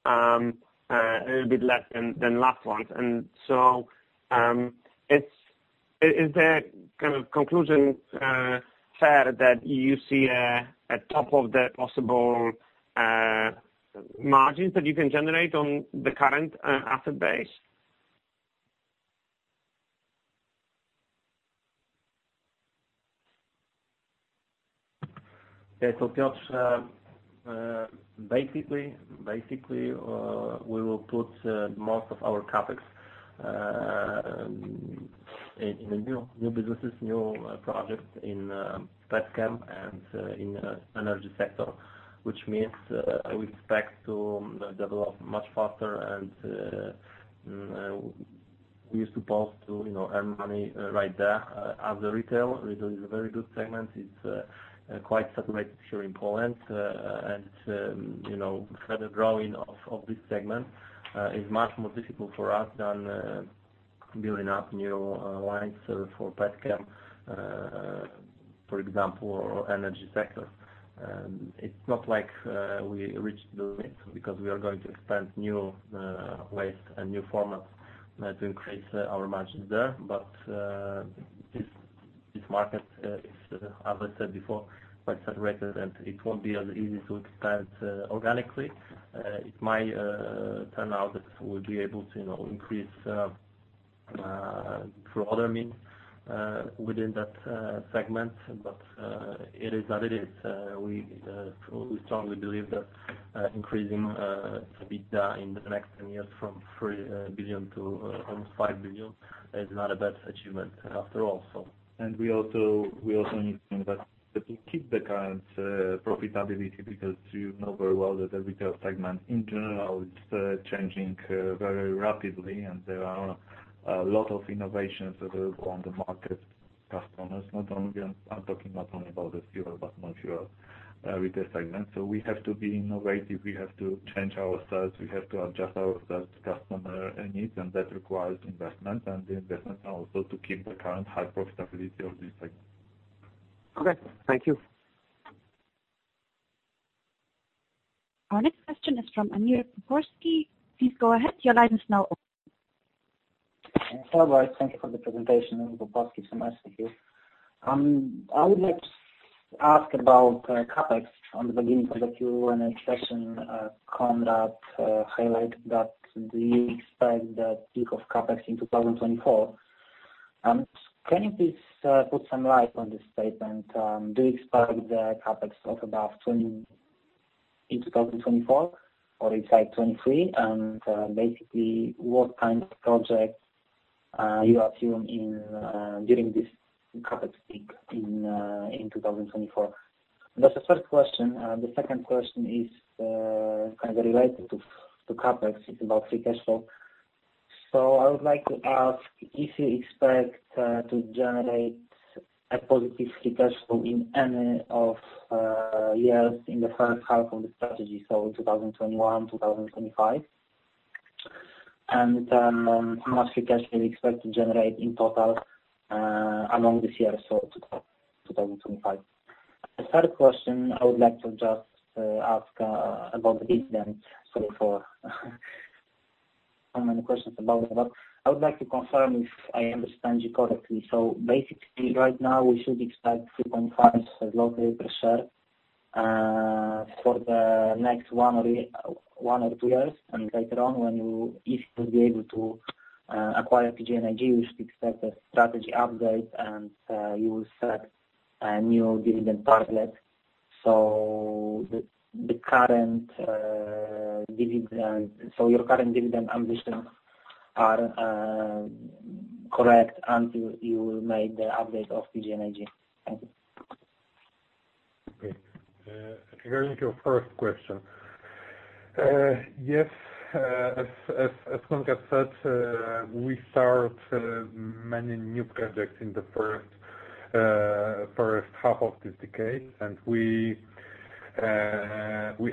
a little bit less than last ones. Is the kind of conclusion fair that you see a top of the possible margins that you can generate on the current asset base?
Yeah. Piotr, basically we will put most of our CapEx in the new businesses, new projects in petchem and in energy sector, which means we expect to develop much faster and we suppose to earn money right there as a retail. Retail is a very good segment. It's quite saturated here in Poland. Further growing of this segment, is much more difficult for us than building up new lines for petchem. For example, energy sector. It's not like we reached the limit, because we are going to expand new ways and new formats to increase our margins there. But this market is, as I said before, quite saturated and it won't be as easy to expand organically. It might turn out that we'll be able to increase through other means within that segment. But it is what it is. We strongly believe that increasing EBITDA in the next 10 years from 3 billion to almost 5 billion is not a bad achievement after all. We also need to invest to keep the current profitability, because you know very well that the retail segment in general is changing very rapidly, and there are a lot of innovations that are on the market. Customers, I'm talking not only about the fuel, but non-fuel retail segment. So we have to be innovative. We have to change ourselves. We have to adjust ourselves to customer needs, and that requires investment, and the investment also to keep the current high profitability of this segment.
Okay. Thank you.
Our next question is from [Amir Popowski. Please go ahead. Your line is now open.
Hello. Thank you for the presentation. I would like to ask about CapEx on the beginning of the Q&A session, Konrad highlight that we expect that peak of CapEx in 2024. Can you please put some light on this statement? Do you expect the CapEx of about 20 in 2024 or it's like 23? Basically, what kind of project are you assuming during this CapEx peak in 2024? That's the first question. The second question is related to CapEx. It's about free cash flow. I would like to ask if you expect to generate a positive free cash flow in any of years in the first half of the strategy, 2021, 2025. How much free cash flow you expect to generate in total, among these years, 2025. The third question I would like to just ask about dividend. Sorry for how many questions about it. I would like to confirm if I understand you correctly. Basically right now we should expect 3.5 per share, for the next one or two years, and later on, if you will be able to acquire PGNiG, we should expect a strategy update and you will set a new dividend target. Your current dividend ambitions are correct until you will make the update of PGNiG. Thank you.
Okay. Regarding your first question. Yes, as Konrad said, we start many new projects in the first half of this decade, and we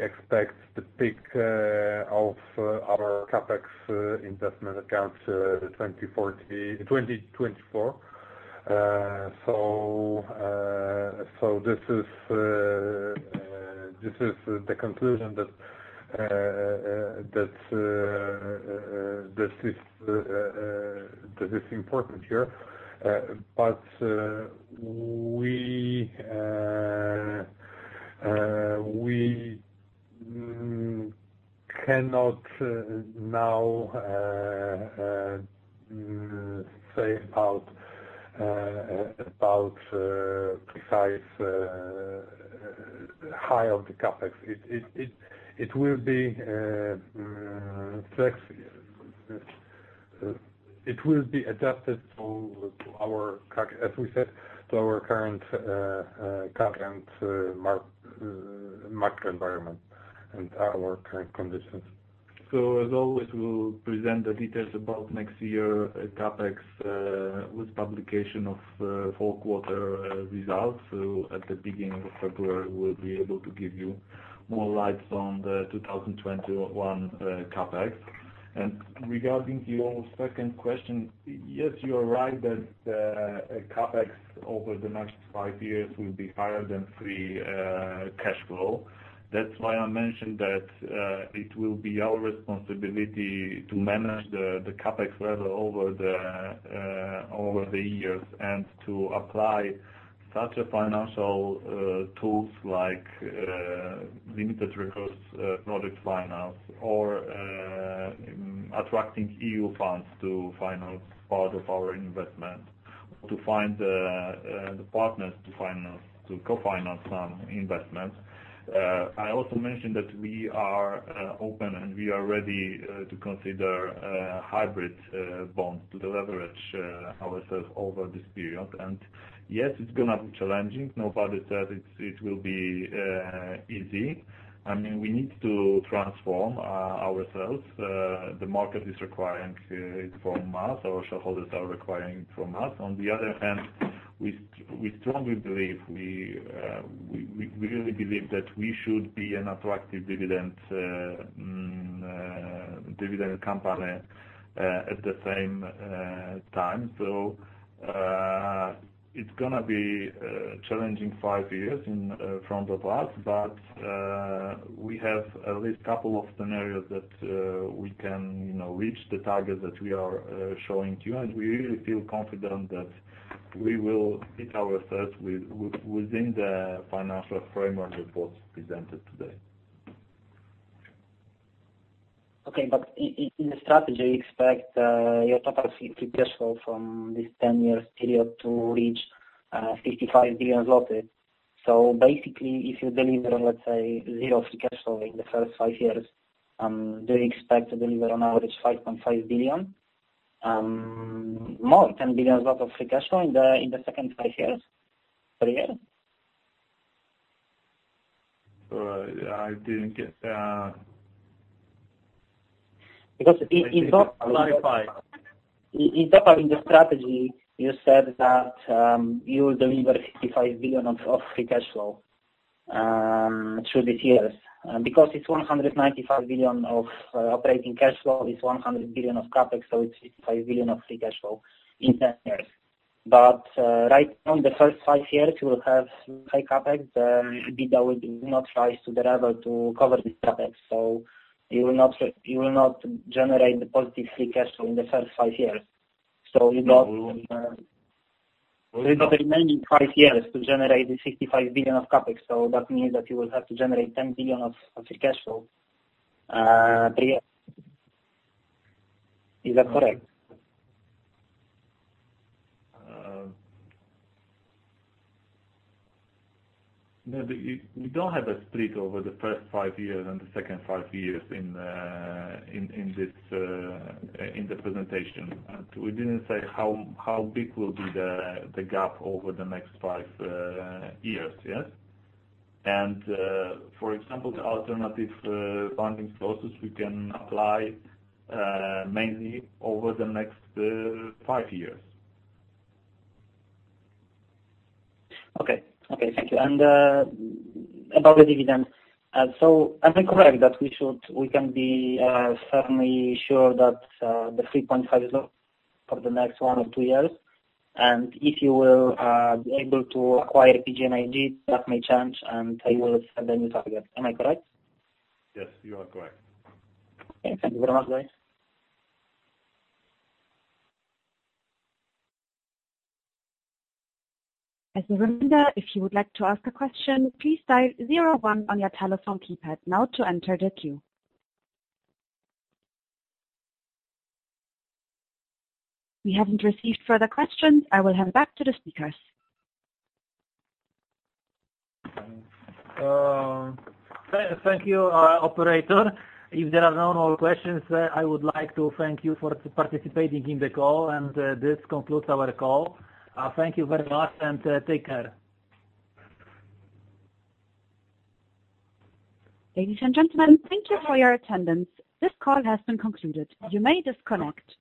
expect the peak of our CapEx investment accounts 2024. This is the conclusion that is important here. We cannot now say about precise high of the CapEx. It will be adapted, as we said, to our current macro environment and our current conditions.
As always, we'll present the details about next year CapEx with publication of four quarter results. At the beginning of February, we'll be able to give you more lights on the 2021 CapEx. Regarding your second question, yes, you're right that CapEx over the next five years will be higher than free cash flow. That's why I mentioned that it will be our responsibility to manage the CapEx level over the years and to apply such a financial tools like limited recourse project finance or attracting EU funds to finance part of our investment. To find the partners to co-finance some investments. I also mentioned that we are open and we are ready to consider hybrid bonds to leverage ourselves over this period. Yes, it's gonna be challenging. Nobody said it will be easy. We need to transform ourselves. The market is requiring it from us. Our shareholders are requiring it from us. On the other hand, we really believe that we should be an attractive dividend company at the same time. It's going to be a challenging five years in front of us, but we have at least a couple of scenarios that we can reach the target that we are showing to you, and we really feel confident that we will hit our target within the financial framework that was presented today.
Okay. In the strategy, you expect your total free cash flow from this 10 years period to reach 55 billion zloty. Basically, if you deliver, let's say, zero free cash flow in the first five years, do you expect to deliver on average 5.5 billion, more, 10 billion of free cash flow in the second five years per year?
I didn't get that.
Because in the-
Clarify.
In the strategy, you said that you will deliver 55 billion of free cash flow through these years because it's 195 billion of operating cash flow. It's 100 billion of CapEx, so it's 55 billion of free cash flow in 10 years. Right now, in the first five years, you will have high CapEx. Orlen will not rise to the level to cover this CapEx. You will not generate the positive free cash flow in the first five years. You got remaining five years to generate the 55 billion of CapEx. That means that you will have to generate 10 billion of free cash flow per year. Is that correct?
No. We don't have a split over the first five years and the second five years in the presentation. We didn't say how big will be the gap over the next five years, yes? For example, the alternative funding sources we can apply mainly over the next five years.
Okay. Thank you. About the dividend. Am I correct that we can be certainly sure that the 3.5 is low for the next one or two years, and if you will be able to acquire PGNiG, that may change, and I will set the new target. Am I correct?
Yes, you are correct.
Okay. Thank you very much, guys.
As a reminder, if you would like to ask a question, please dial zero one on your telephone keypad now to enter the queue. We haven't received further questions. I will hand back to the speakers.
Thank you, operator. If there are no more questions, I would like to thank you for participating in the call, and this concludes our call. Thank you very much, and take care.
Ladies and gentlemen, thank you for your attendance. This call has been concluded. You may disconnect.